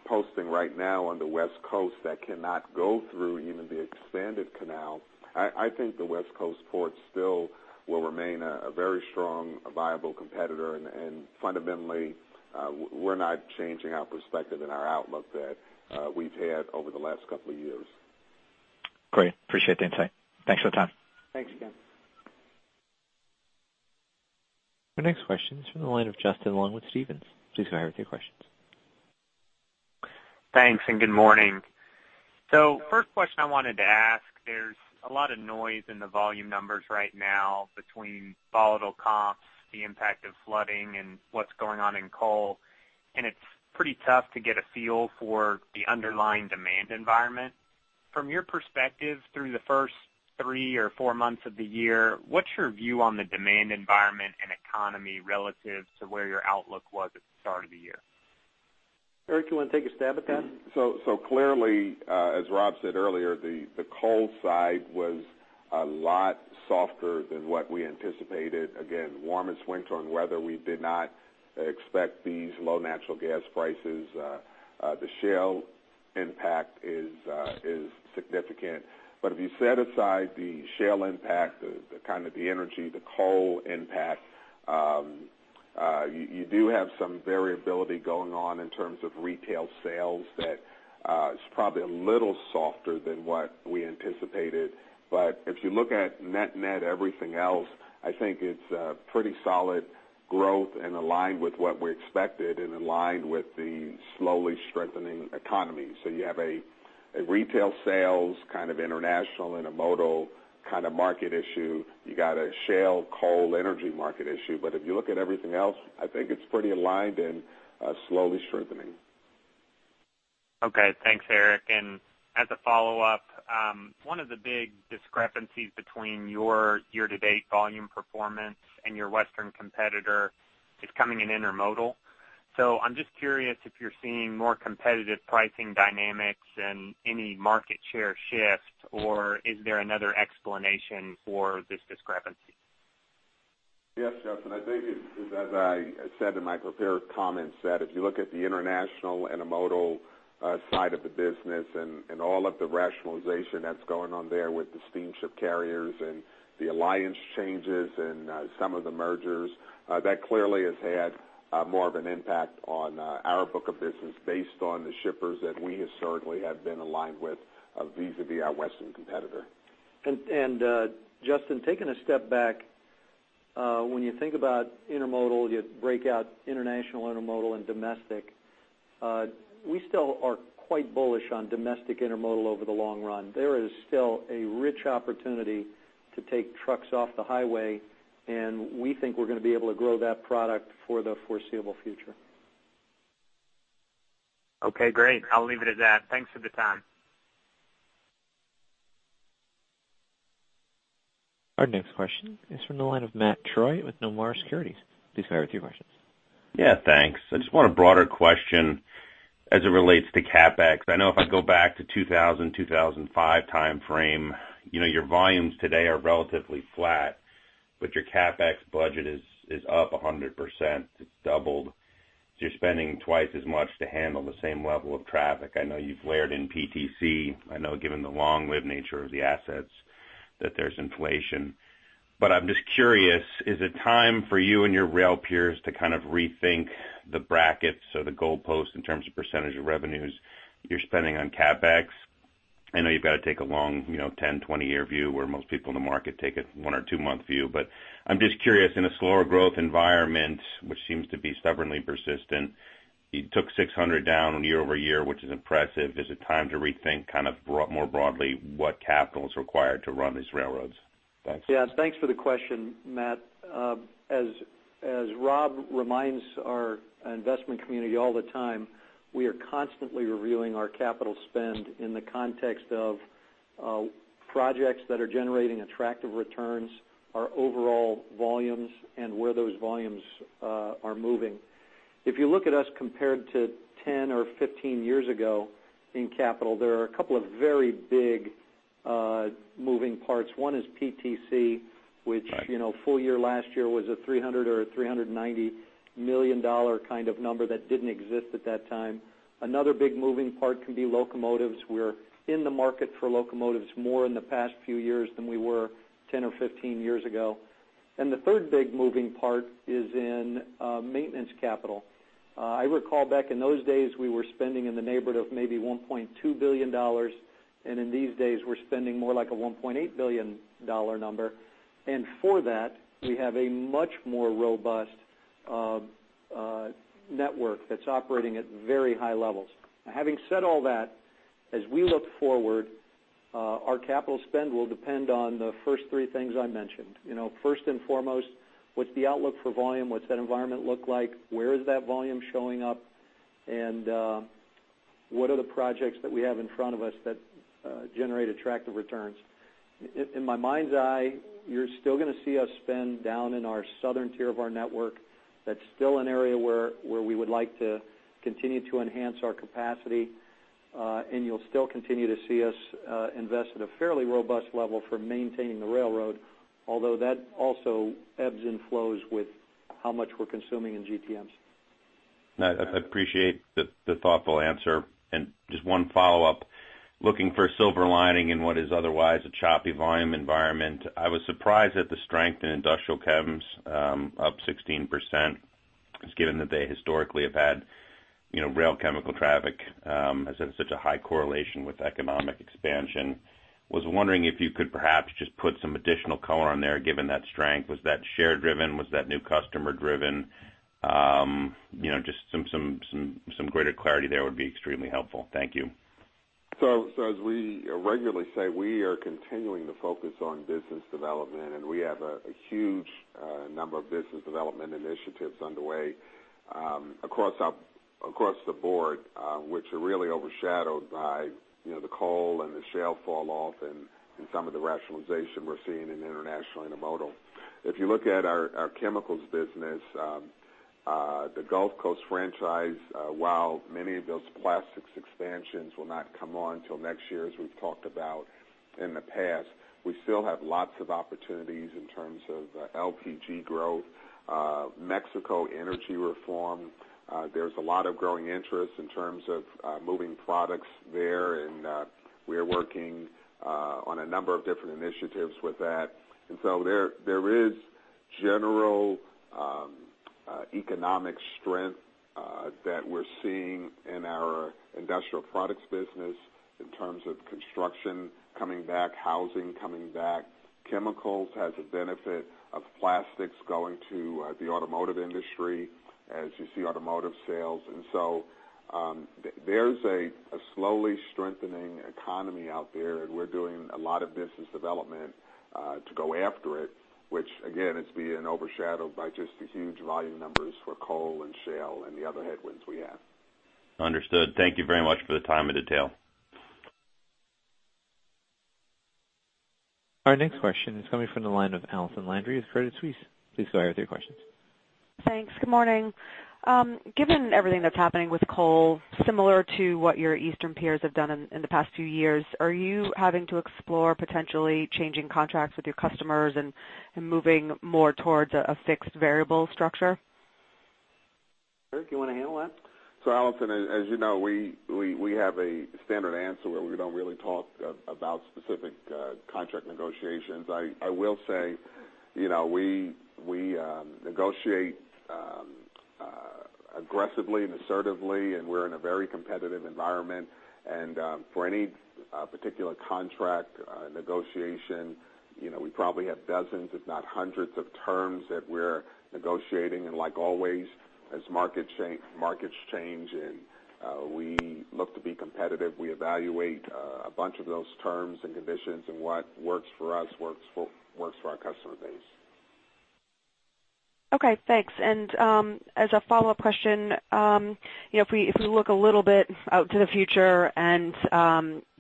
Posting right now on the West Coast that cannot go through even the expanded canal. I think the West Coast ports still will remain a very strong, viable competitor. Fundamentally, we're not changing our perspective and our outlook that we've had over the last couple of years. Great. Appreciate the insight. Thanks for the time. Thanks again. Our next question is from the line of Justin Long with Stephens. Please go ahead with your questions. Thanks, and good morning. First question I wanted to ask, there's a lot of noise in the volume numbers right now between volatile comps, the impact of flooding, and what's going on in coal, and it's pretty tough to get a feel for the underlying demand environment. From your perspective, through the first three or four months of the year, what's your view on the demand environment and economy relative to where your outlook was at the start of the year? Eric, you want to take a stab at that? Clearly, as Rob said earlier, the coal side was a lot softer than what we anticipated. Again, warmest winter on weather. We did not expect these low natural gas prices. The shale impact is significant. If you set aside the shale impact, the energy, the coal impact, you do have some variability going on in terms of retail sales that is probably a little softer than what we anticipated. If you look at net everything else, I think it's a pretty solid growth and aligned with what we expected and aligned with the slowly strengthening economy. You have a retail sales, kind of international intermodal kind of market issue. You got a shale, coal energy market issue. If you look at everything else, I think it's pretty aligned and slowly strengthening. Okay. Thanks, Eric. As a follow-up, one of the big discrepancies between your year-to-date volume performance and your Western competitor is coming in intermodal. I'm just curious if you're seeing more competitive pricing dynamics and any market share shift, or is there another explanation for this discrepancy? Yes, Justin, I think it's as I said in my prepared comments, that if you look at the international intermodal side of the business and all of the rationalization that's going on there with the steamship carriers and the alliance changes and some of the mergers, that clearly has had more of an impact on our book of business based on the shippers that we historically have been aligned with vis-à-vis our Western competitor. Justin, taking a step back, when you think about intermodal, you break out international intermodal and domestic. We still are quite bullish on domestic intermodal over the long run. There is still a rich opportunity to take trucks off the highway, and we think we're going to be able to grow that product for the foreseeable future. Okay, great. I'll leave it at that. Thanks for the time. Our next question is from the line of Matthew Troy with Nomura Securities. Please go ahead with your questions. Yeah, thanks. I just want a broader question as it relates to CapEx. I know if I go back to 2000, 2005 timeframe, your volumes today are relatively flat, but your CapEx budget is up 100%. It's doubled. You're spending twice as much to handle the same level of traffic. I know you've layered in PTC. I know given the long-lived nature of the assets that there's inflation. I'm just curious, is it time for you and your rail peers to kind of rethink the brackets or the goalposts in terms of percentage of revenues you're spending on CapEx? I know you've got to take a long 10, 20 year view, where most people in the market take a one or two-month view. I'm just curious, in a slower growth environment, which seems to be stubbornly persistent, you took 600 down on year-over-year, which is impressive. Is it time to rethink kind of more broadly what capital is required to run these railroads? Thanks. Yeah. Thanks for the question, Matt. As Rob reminds our investment community all the time, we are constantly reviewing our capital spend in the context of projects that are generating attractive returns, our overall volumes, and where those volumes are moving. If you look at us compared to 10 or 15 years ago in capital, there are a couple of very big moving parts. One is PTC, which full year last year was a $300 or a $390 million kind of number that didn't exist at that time. Another big moving part can be locomotives. We're in the market for locomotives more in the past few years than we were 10 or 15 years ago. The third big moving part is in maintenance capital. I recall back in those days, we were spending in the neighborhood of maybe $1.2 billion, and in these days, we're spending more like a $1.8 billion number. For that, we have a much more robust network that's operating at very high levels. Having said all that, as we look forward, our capital spend will depend on the first three things I mentioned. First and foremost, what's the outlook for volume? What's that environment look like? Where is that volume showing up? What are the projects that we have in front of us that generate attractive returns? In my mind's eye, you're still going to see us spend down in our southern tier of our network. That's still an area where we would like to continue to enhance our capacity. You'll still continue to see us invest at a fairly robust level for maintaining the railroad, although that also ebbs and flows with how much we're consuming in GTMs. I appreciate the thoughtful answer. Just one follow-up, looking for a silver lining in what is otherwise a choppy volume environment, I was surprised at the strength in industrial chem, up 16%, just given that they historically have had rail chemical traffic has had such a high correlation with economic expansion. Was wondering if you could perhaps just put some additional color on there, given that strength. Was that share-driven? Was that new customer-driven? Just some greater clarity there would be extremely helpful. Thank you. As we regularly say, we are continuing to focus on business development, and we have a huge number of business development initiatives underway across the board, which are really overshadowed by the coal and the shale falloff and some of the rationalization we're seeing in international intermodal. If you look at our chemicals business, the Gulf Coast franchise, while many of those plastics expansions will not come on till next year, as we've talked about in the past, we still have lots of opportunities in terms of LPG growth, Mexico energy reform. There's a lot of growing interest in terms of moving products there, and we're working on a number of different initiatives with that. There is general economic strength that we're seeing in our industrial products business in terms of construction coming back, housing coming back. Chemicals has a benefit of plastics going to the automotive industry, as you see automotive sales. There's a slowly strengthening economy out there, and we're doing a lot of business development to go after it, which again, is being overshadowed by just the huge volume numbers for coal and shale and the other headwinds we have. Understood. Thank you very much for the time and detail. Our next question is coming from the line of Allison Landry of Credit Suisse. Please go ahead with your questions. Thanks. Good morning. Given everything that's happening with coal, similar to what your eastern peers have done in the past few years, are you having to explore potentially changing contracts with your customers and moving more towards a fixed variable structure? Eric, you want to handle that? Allison, as you know, we have a standard answer where we don't really talk about specific contract negotiations. I will say, we negotiate aggressively and assertively, and we're in a very competitive environment. For any particular contract negotiation, we probably have dozens, if not hundreds of terms that we're negotiating. Like always, as markets change and we look to be competitive, we evaluate a bunch of those terms and conditions and what works for us, works for our customer base. Okay, thanks. As a follow-up question, if we look a little bit out to the future and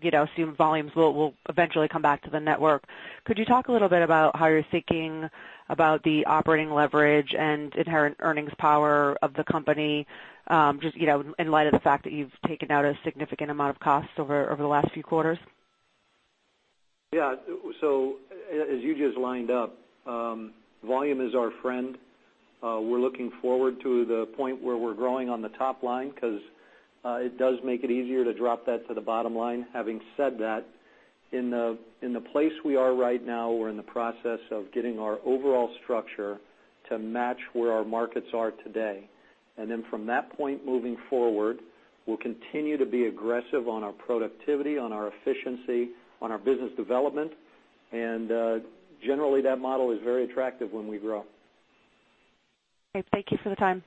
assume volumes will eventually come back to the network, could you talk a little bit about how you're thinking about the operating leverage and inherent earnings power of the company, just in light of the fact that you've taken out a significant amount of costs over the last few quarters? Yeah. As you just lined up, volume is our friend. We're looking forward to the point where we're growing on the top line because it does make it easier to drop that to the bottom line. Having said that, in the place we are right now, we're in the process of getting our overall structure to match where our markets are today. From that point moving forward, we'll continue to be aggressive on our productivity, on our efficiency, on our business development. Generally, that model is very attractive when we grow. Okay, thank you for the time.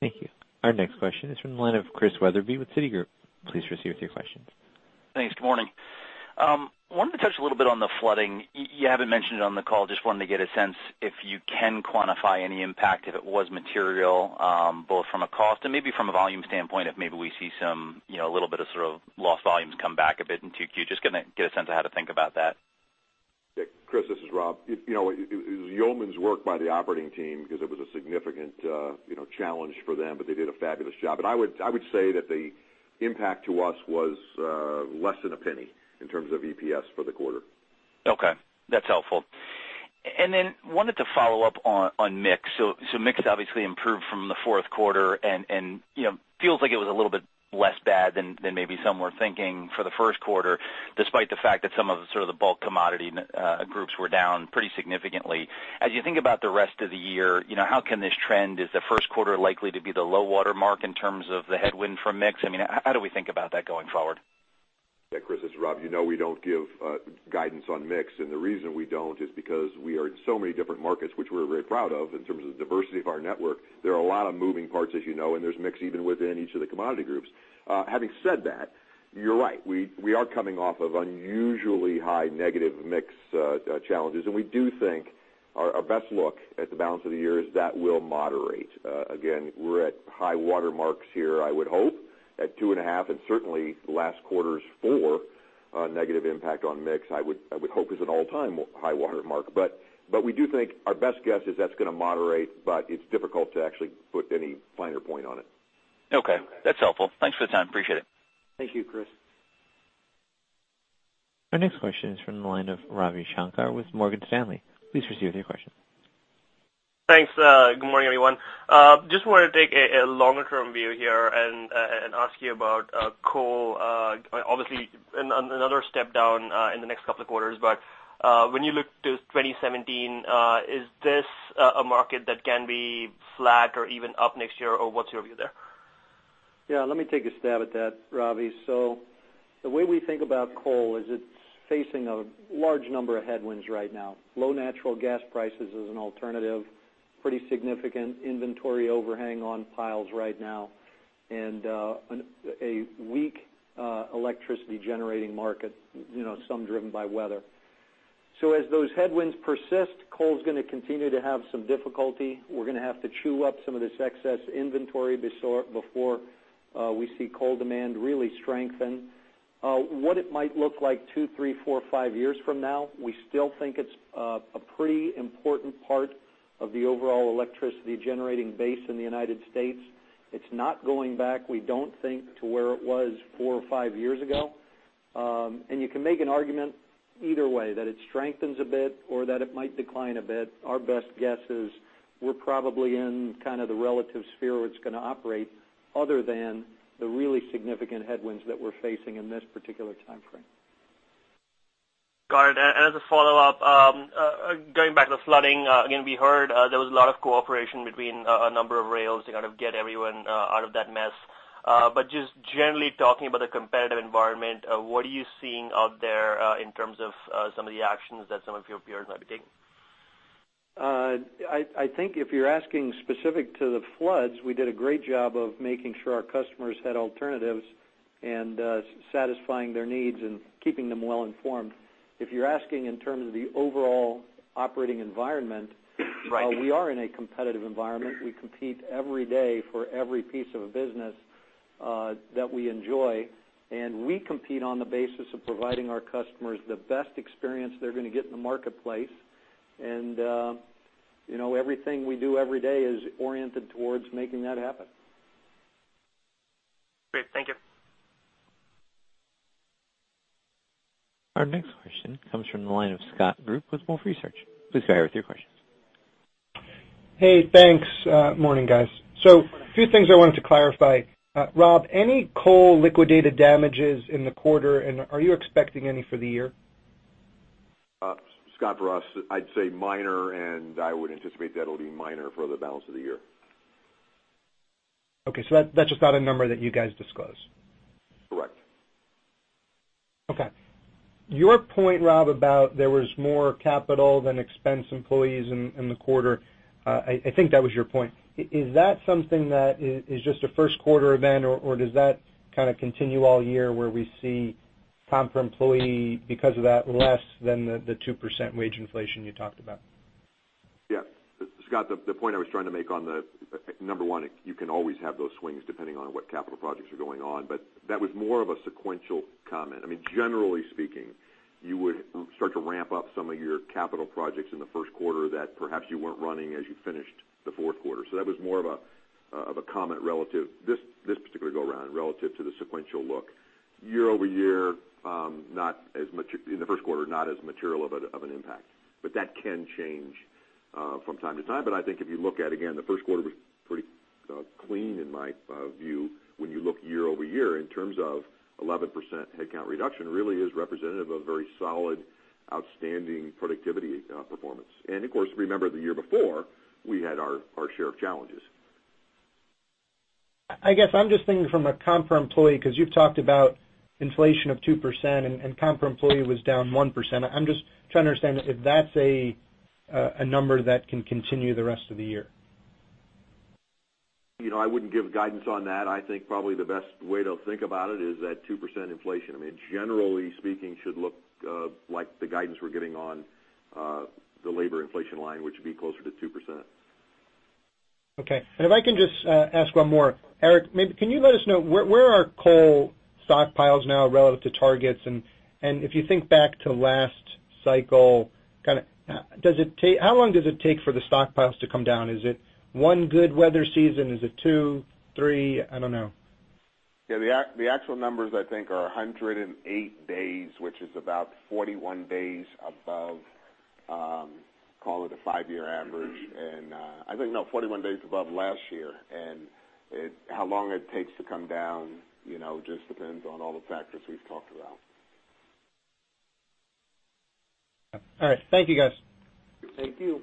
Thank you. Our next question is from the line of Christian Wetherbee with Citigroup. Please proceed with your questions. Thanks. Good morning. Wanted to touch a little bit on the flooding. You haven't mentioned it on the call, just wanted to get a sense if you can quantify any impact, if it was material, both from a cost and maybe from a volume standpoint, if maybe we see a little bit of sort of lost volumes come back a bit in 2Q. Just gonna get a sense of how to think about that. Chris, this is Rob. It was yeoman's work by the operating team because it was a significant challenge for them, but they did a fabulous job. I would say that the impact to us was less than $0.01 in terms of EPS for the quarter. Okay, that's helpful. Wanted to follow up on mix. Mix obviously improved from the fourth quarter and feels like it was a little bit less bad than maybe some were thinking for the first quarter, despite the fact that some of the sort of the bulk commodity groups were down pretty significantly. As you think about the rest of the year, how can this trend, is the first quarter likely to be the low water mark in terms of the headwind from mix? How do we think about that going forward? Yeah, Christian, this is Robert. We don't give guidance on mix, and the reason we don't is because we are in so many different markets, which we're very proud of in terms of diversity of our network. There are a lot of moving parts, and there's mix even within each of the commodity groups. Having said that, you're right, we are coming off of unusually high negative mix challenges, and we do think our best look at the balance of the year is that will moderate. Again, we're at high water marks here I would hope at 2.5, and certainly last quarter's four negative impact on mix, I would hope is an all-time high water mark. We do think our best guess is that's going to moderate, but it's difficult to actually put any finer point on it. Okay. That's helpful. Thanks for the time. Appreciate it. Thank you, Christian. Our next question is from the line of Ravi Shanker with Morgan Stanley. Please proceed with your question. Thanks. Good morning, everyone. Just wanted to take a longer-term view here and ask you about coal. Obviously, another step down in the next couple of quarters, but when you look to 2017, is this a market that can be flat or even up next year, or what's your view there? Yeah, let me take a stab at that, Ravi. The way we think about coal is it's facing a large number of headwinds right now. Low natural gas prices as an alternative, pretty significant inventory overhang on piles right now, and a weak electricity generating market, some driven by weather. As those headwinds persist, coal's going to continue to have some difficulty. We're going to have to chew up some of this excess inventory before we see coal demand really strengthen. What it might look like two, three, four, five years from now, we still think it's a pretty important part of the overall electricity generating base in the United States. It's not going back, we don't think, to where it was four or five years ago. You can make an argument either way, that it strengthens a bit or that it might decline a bit. Our best guess is we're probably in kind of the relative sphere where it's going to operate, other than the really significant headwinds that we're facing in this particular timeframe. Got it. As a follow-up, going back to the flooding, again, we heard there was a lot of cooperation between a number of rails to kind of get everyone out of that mess. Just generally talking about the competitive environment, what are you seeing out there in terms of some of the actions that some of your peers might be taking? I think if you're asking specific to the floods, we did a great job of making sure our customers had alternatives and satisfying their needs and keeping them well informed. If you're asking in terms of the overall operating environment. Right We are in a competitive environment. We compete every day for every piece of business that we enjoy, and we compete on the basis of providing our customers the best experience they're going to get in the marketplace. Everything we do every day is oriented towards making that happen. Great. Thank you. Our next question comes from the line of Scott Group with Wolfe Research. Please go ahead with your questions. Hey, thanks. Morning, guys. A few things I wanted to clarify. Rob, any coal liquidated damages in the quarter, and are you expecting any for the year? Scott, for us, I'd say minor, and I would anticipate that'll be minor for the balance of the year. Okay, that's just not a number that you guys disclose. Correct. Your point, Rob, about there was more capital than expense employees in the quarter, I think that was your point. Is that something that is just a first quarter event, or does that kind of continue all year, where we see comp per employee because of that less than the 2% wage inflation you talked about? Scott, the point I was trying to make on number one, you can always have those swings depending on what capital projects are going on. That was more of a sequential comment. Generally speaking, you would start to ramp up some of your capital projects in the first quarter that perhaps you weren't running as you finished the fourth quarter. That was more of a comment relative this particular go around, relative to the sequential look. Year-over-year, in the first quarter, not as material of an impact, but that can change from time to time. I think if you look at, again, the first quarter was pretty clean in my view, when you look year-over-year in terms of 11% headcount reduction really is representative of very solid, outstanding productivity performance. Of course, remember the year before, we had our share of challenges. I guess I'm just thinking from a comp per employee, because you've talked about inflation of 2% and comp per employee was down 1%. I'm just trying to understand if that's a number that can continue the rest of the year. I wouldn't give guidance on that. I think probably the best way to think about it is that 2% inflation, generally speaking, should look like the guidance we're getting on the labor inflation line, which would be closer to 2%. Okay. If I can just ask one more. Eric, maybe can you let us know where are coal stockpiles now relative to targets? If you think back to last cycle, how long does it take for the stockpiles to come down? Is it one good weather season? Is it two, three? I don't know. Yeah, the actual numbers I think are 108 days, which is about 41 days above, call it a five-year average. I think, no, 41 days above last year. How long it takes to come down just depends on all the factors we've talked about. All right. Thank you, guys. Thank you.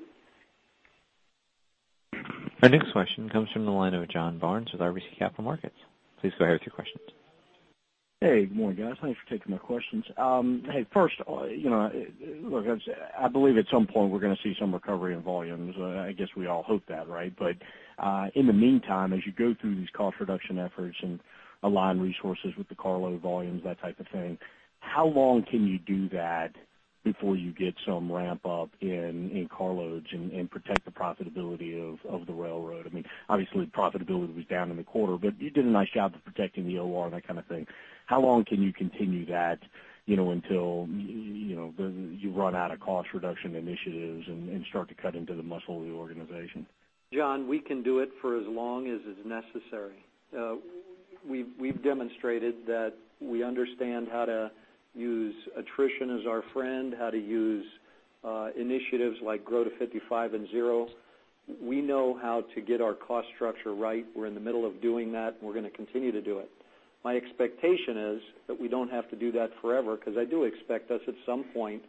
Our next question comes from the line of John Barnes with RBC Capital Markets. Please go ahead with your questions. Good morning, guys. Thanks for taking my questions. I believe at some point we're going to see some recovery in volumes. I guess we all hope that, right? In the meantime, as you go through these cost reduction efforts and align resources with the carload volumes, that type of thing? How long can you do that before you get some ramp-up in car loads and protect the profitability of the railroad? Obviously, profitability was down in the quarter, but you did a nice job of protecting the OR, that kind of thing. How long can you continue that until you run out of cost reduction initiatives and start to cut into the muscle of the organization? John, we can do it for as long as is necessary. We've demonstrated that we understand how to use attrition as our friend, how to use initiatives like Grow to 55 Plus Zero. We know how to get our cost structure right. We're in the middle of doing that, and we're going to continue to do it. My expectation is that we don't have to do that forever, because I do expect us at some point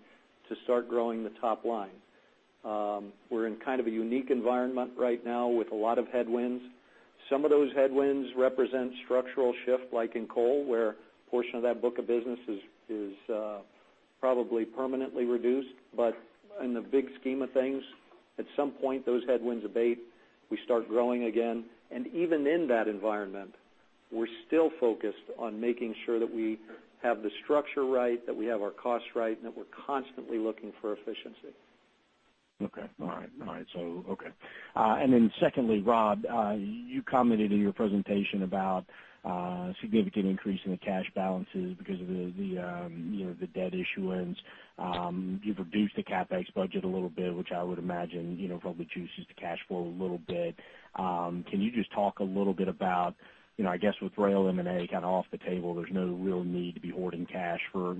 to start growing the top line. We're in kind of a unique environment right now with a lot of headwinds. Some of those headwinds represent structural shift, like in coal, where a portion of that book of business is probably permanently reduced. In the big scheme of things, at some point, those headwinds abate, we start growing again, and even in that environment, we're still focused on making sure that we have the structure right, that we have our costs right, and that we're constantly looking for efficiency. Okay. All right. Secondly, Rob, you commented in your presentation about significant increase in the cash balances because of the debt issuance. You've reduced the CapEx budget a little bit, which I would imagine probably juices the cash flow a little bit. Can you just talk a little bit about, I guess with rail M&A kind of off the table, there's no real need to be hoarding cash for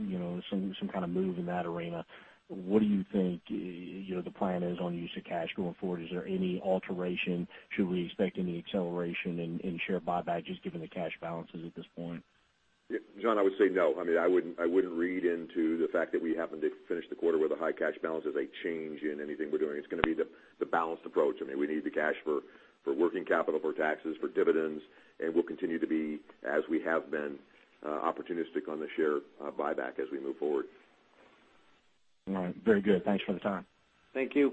some kind of move in that arena. What do you think the plan is on use of cash going forward? Is there any alteration? Should we expect any acceleration in share buybacks just given the cash balances at this point? John, I would say no. I wouldn't read into the fact that we happened to finish the quarter with a high cash balance as a change in anything we're doing. It's going to be the balanced approach. We need the cash for working capital, for taxes, for dividends, and we'll continue to be, as we have been, opportunistic on the share buyback as we move forward. All right. Very good. Thanks for the time. Thank you.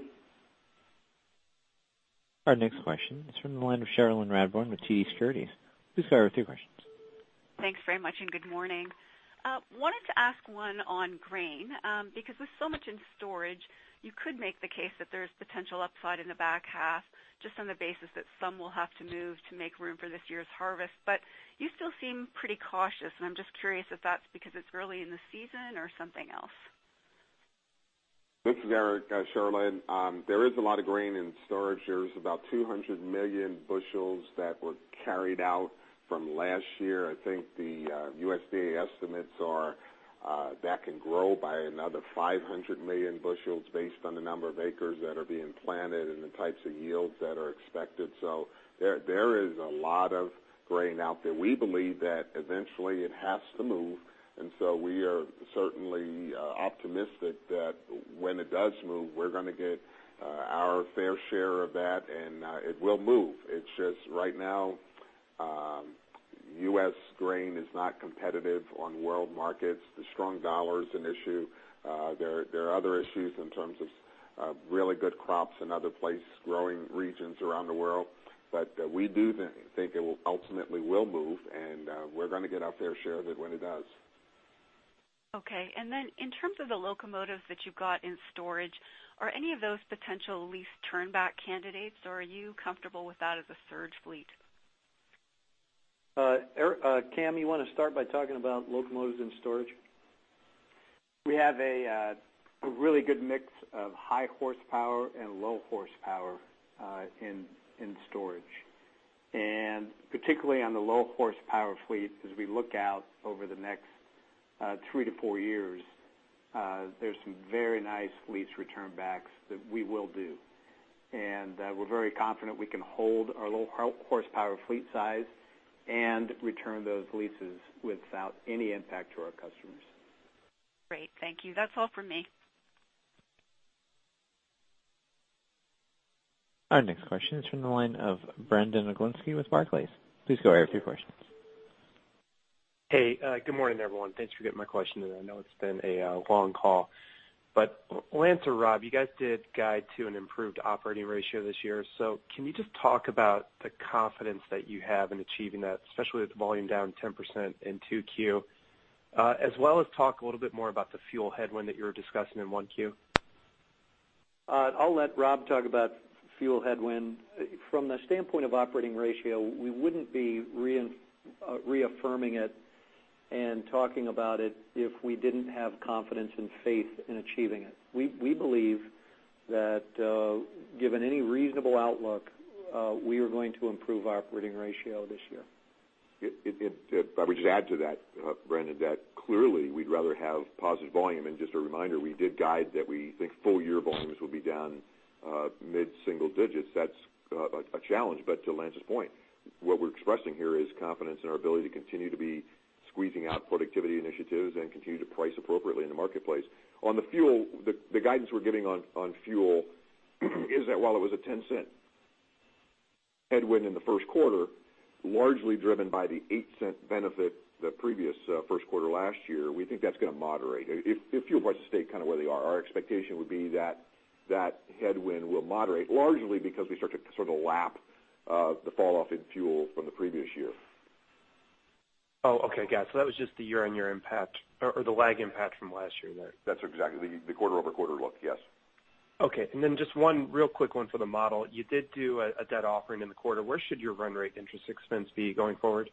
Our next question is from the line of Cherilyn Radbourne with TD Securities. Please go with your questions. Thanks very much. Good morning. Wanted to ask one on grain, because with so much in storage, you could make the case that there's potential upside in the back half just on the basis that some will have to move to make room for this year's harvest. You still seem pretty cautious, and I'm just curious if that's because it's early in the season or something else. This is Eric, Cherilyn. There is a lot of grain in storage. There's about 200 million bushels that were carried out from last year. I think the USDA estimates are that can grow by another 500 million bushels based on the number of acres that are being planted and the types of yields that are expected. There is a lot of grain out there. We believe that eventually it has to move, we are certainly optimistic that when it does move, we're going to get our fair share of that and it will move. It's just right now, U.S. grain is not competitive on world markets. The strong dollar is an issue. There are other issues in terms of really good crops in other places, growing regions around the world. We do think it ultimately will move, and we're going to get our fair share of it when it does. Then in terms of the locomotives that you've got in storage, are any of those potential lease turn back candidates, or are you comfortable with that as a surge fleet? Cam, you want to start by talking about locomotives in storage? We have a really good mix of high horsepower and low horsepower in storage, and particularly on the low horsepower fleet, as we look out over the next three to four years, there's some very nice lease return backs that we will do. We're very confident we can hold our low horsepower fleet size and return those leases without any impact to our customers. Great. Thank you. That's all from me. Our next question is from the line of Brandon Oglenski with Barclays. Please go, you have a few questions. Hey, good morning, everyone. Thanks for getting my question in. I know it's been a long call. Lance or Rob, you guys did guide to an improved operating ratio this year. Can you just talk about the confidence that you have in achieving that, especially with volume down 10% in 2Q, as well as talk a little bit more about the fuel headwind that you were discussing in 1Q? I'll let Rob talk about fuel headwind. From the standpoint of operating ratio, we wouldn't be reaffirming it and talking about it if we didn't have confidence and faith in achieving it. We believe that given any reasonable outlook, we are going to improve our operating ratio this year. If I would just add to that, Brandon, that clearly we'd rather have positive volume, and just a reminder, we did guide that we think full year volumes will be down mid-single digits. That's a challenge, but to Lance's point, what we're expressing here is confidence in our ability to continue to be squeezing out productivity initiatives and continue to price appropriately in the marketplace. On the fuel, the guidance we're giving on fuel is that while it was a $0.10 headwind in the first quarter, largely driven by the $0.08 benefit the previous first quarter last year, we think that's going to moderate. If fuel prices stay kind of where they are, our expectation would be that that headwind will moderate, largely because we start to sort of lap The falloff in fuel from the previous year. Oh, okay. Got it. That was just the year-on-year impact or the lag impact from last year there. That's exactly, the quarter-over-quarter look. Yes. Okay. Just one real quick one for the model. You did do a debt offering in the quarter. Where should your run rate interest expense be going forward?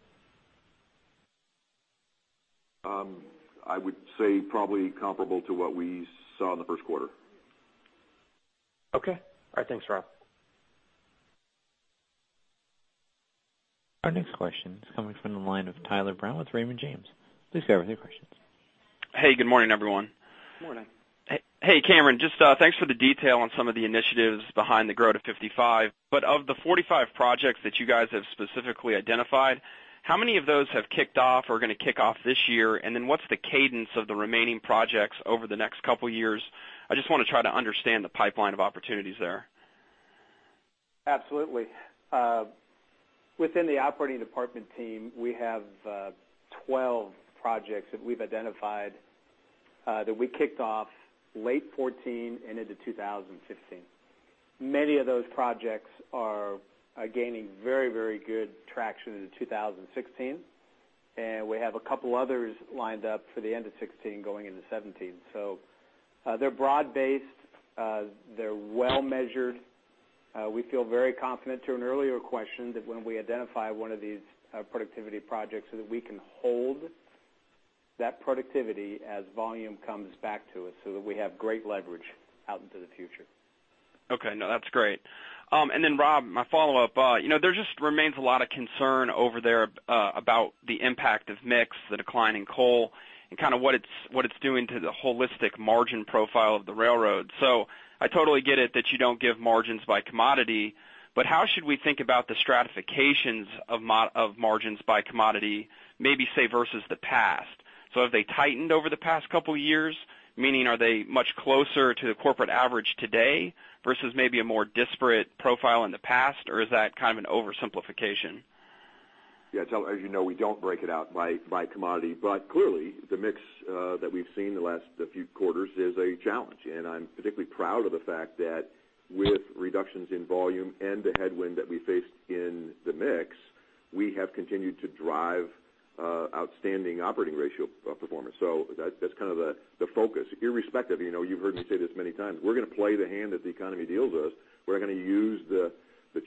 I would say probably comparable to what we saw in the first quarter. Okay. All right. Thanks, Rob. Our next question is coming from the line of Tyler Brown with Raymond James. Please go ahead with your questions. Hey, good morning, everyone. Morning. Hey, Cameron, thanks for the detail on some of the initiatives behind the Grow to 55. Of the 45 projects that you guys have specifically identified, how many of those have kicked off or are going to kick off this year? What's the cadence of the remaining projects over the next couple of years? I want to try to understand the pipeline of opportunities there. Absolutely. Within the operating department team, we have 12 projects that we've identified that we kicked off late 2014 into 2015. Many of those projects are gaining very good traction into 2016, and we have a couple others lined up for the end of 2016 going into 2017. They're broad-based. They're well-measured. We feel very confident to an earlier question that when we identify one of these productivity projects so that we can hold that productivity as volume comes back to us so that we have great leverage out into the future. Okay. No, that's great. Rob, my follow-up, there remains a lot of concern over there about the impact of mix, the decline in coal, and kind of what it's doing to the holistic margin profile of the railroad. I totally get it that you don't give margins by commodity, how should we think about the stratifications of margins by commodity, maybe say versus the past? Have they tightened over the past couple of years, meaning are they much closer to the corporate average today versus maybe a more disparate profile in the past, or is that kind of an oversimplification? As you know, we don't break it out by commodity, clearly, the mix that we've seen the last few quarters is a challenge. I'm particularly proud of the fact that with reductions in volume and the headwind that we faced in the mix, we have continued to drive outstanding operating ratio performance. That's kind of the focus, irrespective, you've heard me say this many times, we're going to play the hand that the economy deals us. We're not going to use the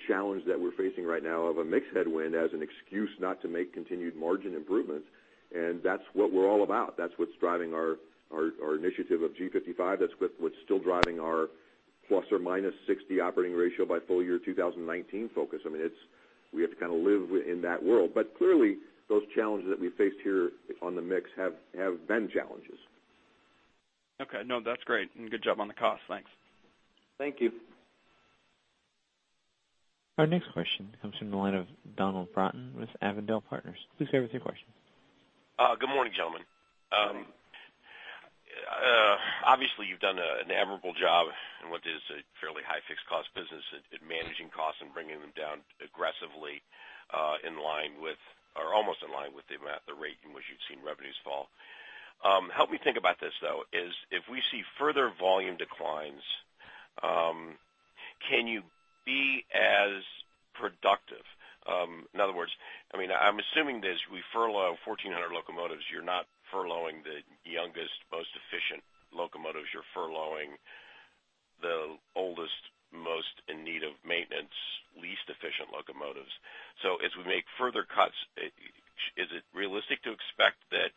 challenge that we're facing right now of a mix headwind as an excuse not to make continued margin improvements, and that's what we're all about. That's what's driving our initiative of G55. That's what's still driving our ±60 operating ratio by full year 2019 focus. We have to kind of live in that world. Clearly, those challenges that we faced here on the mix have been challenges. Okay. No, that's great, good job on the cost. Thanks. Thank you. Our next question comes from the line of Donald Broughton with Avondale Partners. Please go ahead with your question. Good morning, gentlemen. Obviously, you've done an admirable job in what is a fairly high fixed cost business at managing costs and bringing them down aggressively in line with or almost in line with the rate in which you've seen revenues fall. Help me think about this, though, if we see further volume declines, can you be as productive? In other words, I'm assuming that as we furlough 1,400 locomotives, you're not furloughing the youngest, most efficient locomotives. You're furloughing the oldest, most in need of maintenance, least efficient locomotives. As we make further cuts, is it realistic to expect that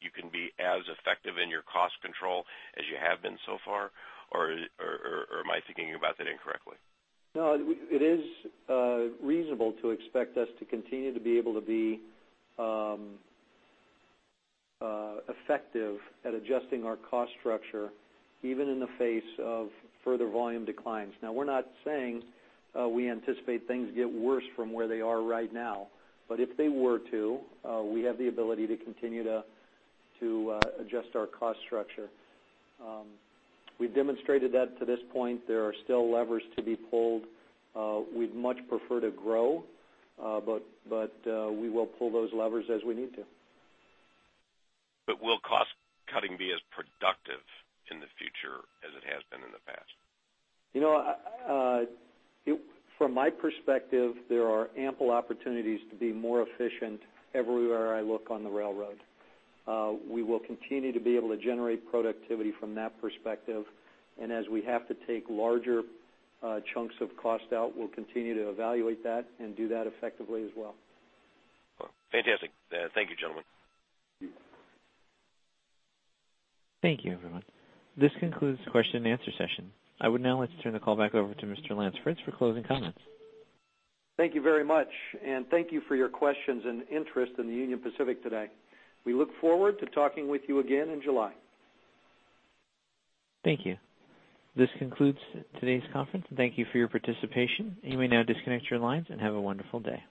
you can be as effective in your cost control as you have been so far? Or am I thinking about that incorrectly? No, it is reasonable to expect us to continue to be able to be effective at adjusting our cost structure, even in the face of further volume declines. We're not saying we anticipate things get worse from where they are right now, but if they were to, we have the ability to continue to adjust our cost structure. We've demonstrated that to this point. There are still levers to be pulled. We'd much prefer to grow, we will pull those levers as we need to. Will cost cutting be as productive in the future as it has been in the past? From my perspective, there are ample opportunities to be more efficient everywhere I look on the railroad. We will continue to be able to generate productivity from that perspective, as we have to take larger chunks of cost out, we'll continue to evaluate that and do that effectively as well. Fantastic. Thank you, gentlemen. Thank you, everyone. This concludes the question and answer session. I would now like to turn the call back over to Mr. Lance Fritz for closing comments. Thank you very much, and thank you for your questions and interest in Union Pacific today. We look forward to talking with you again in July. Thank you. This concludes today's conference, and thank you for your participation. You may now disconnect your lines and have a wonderful day.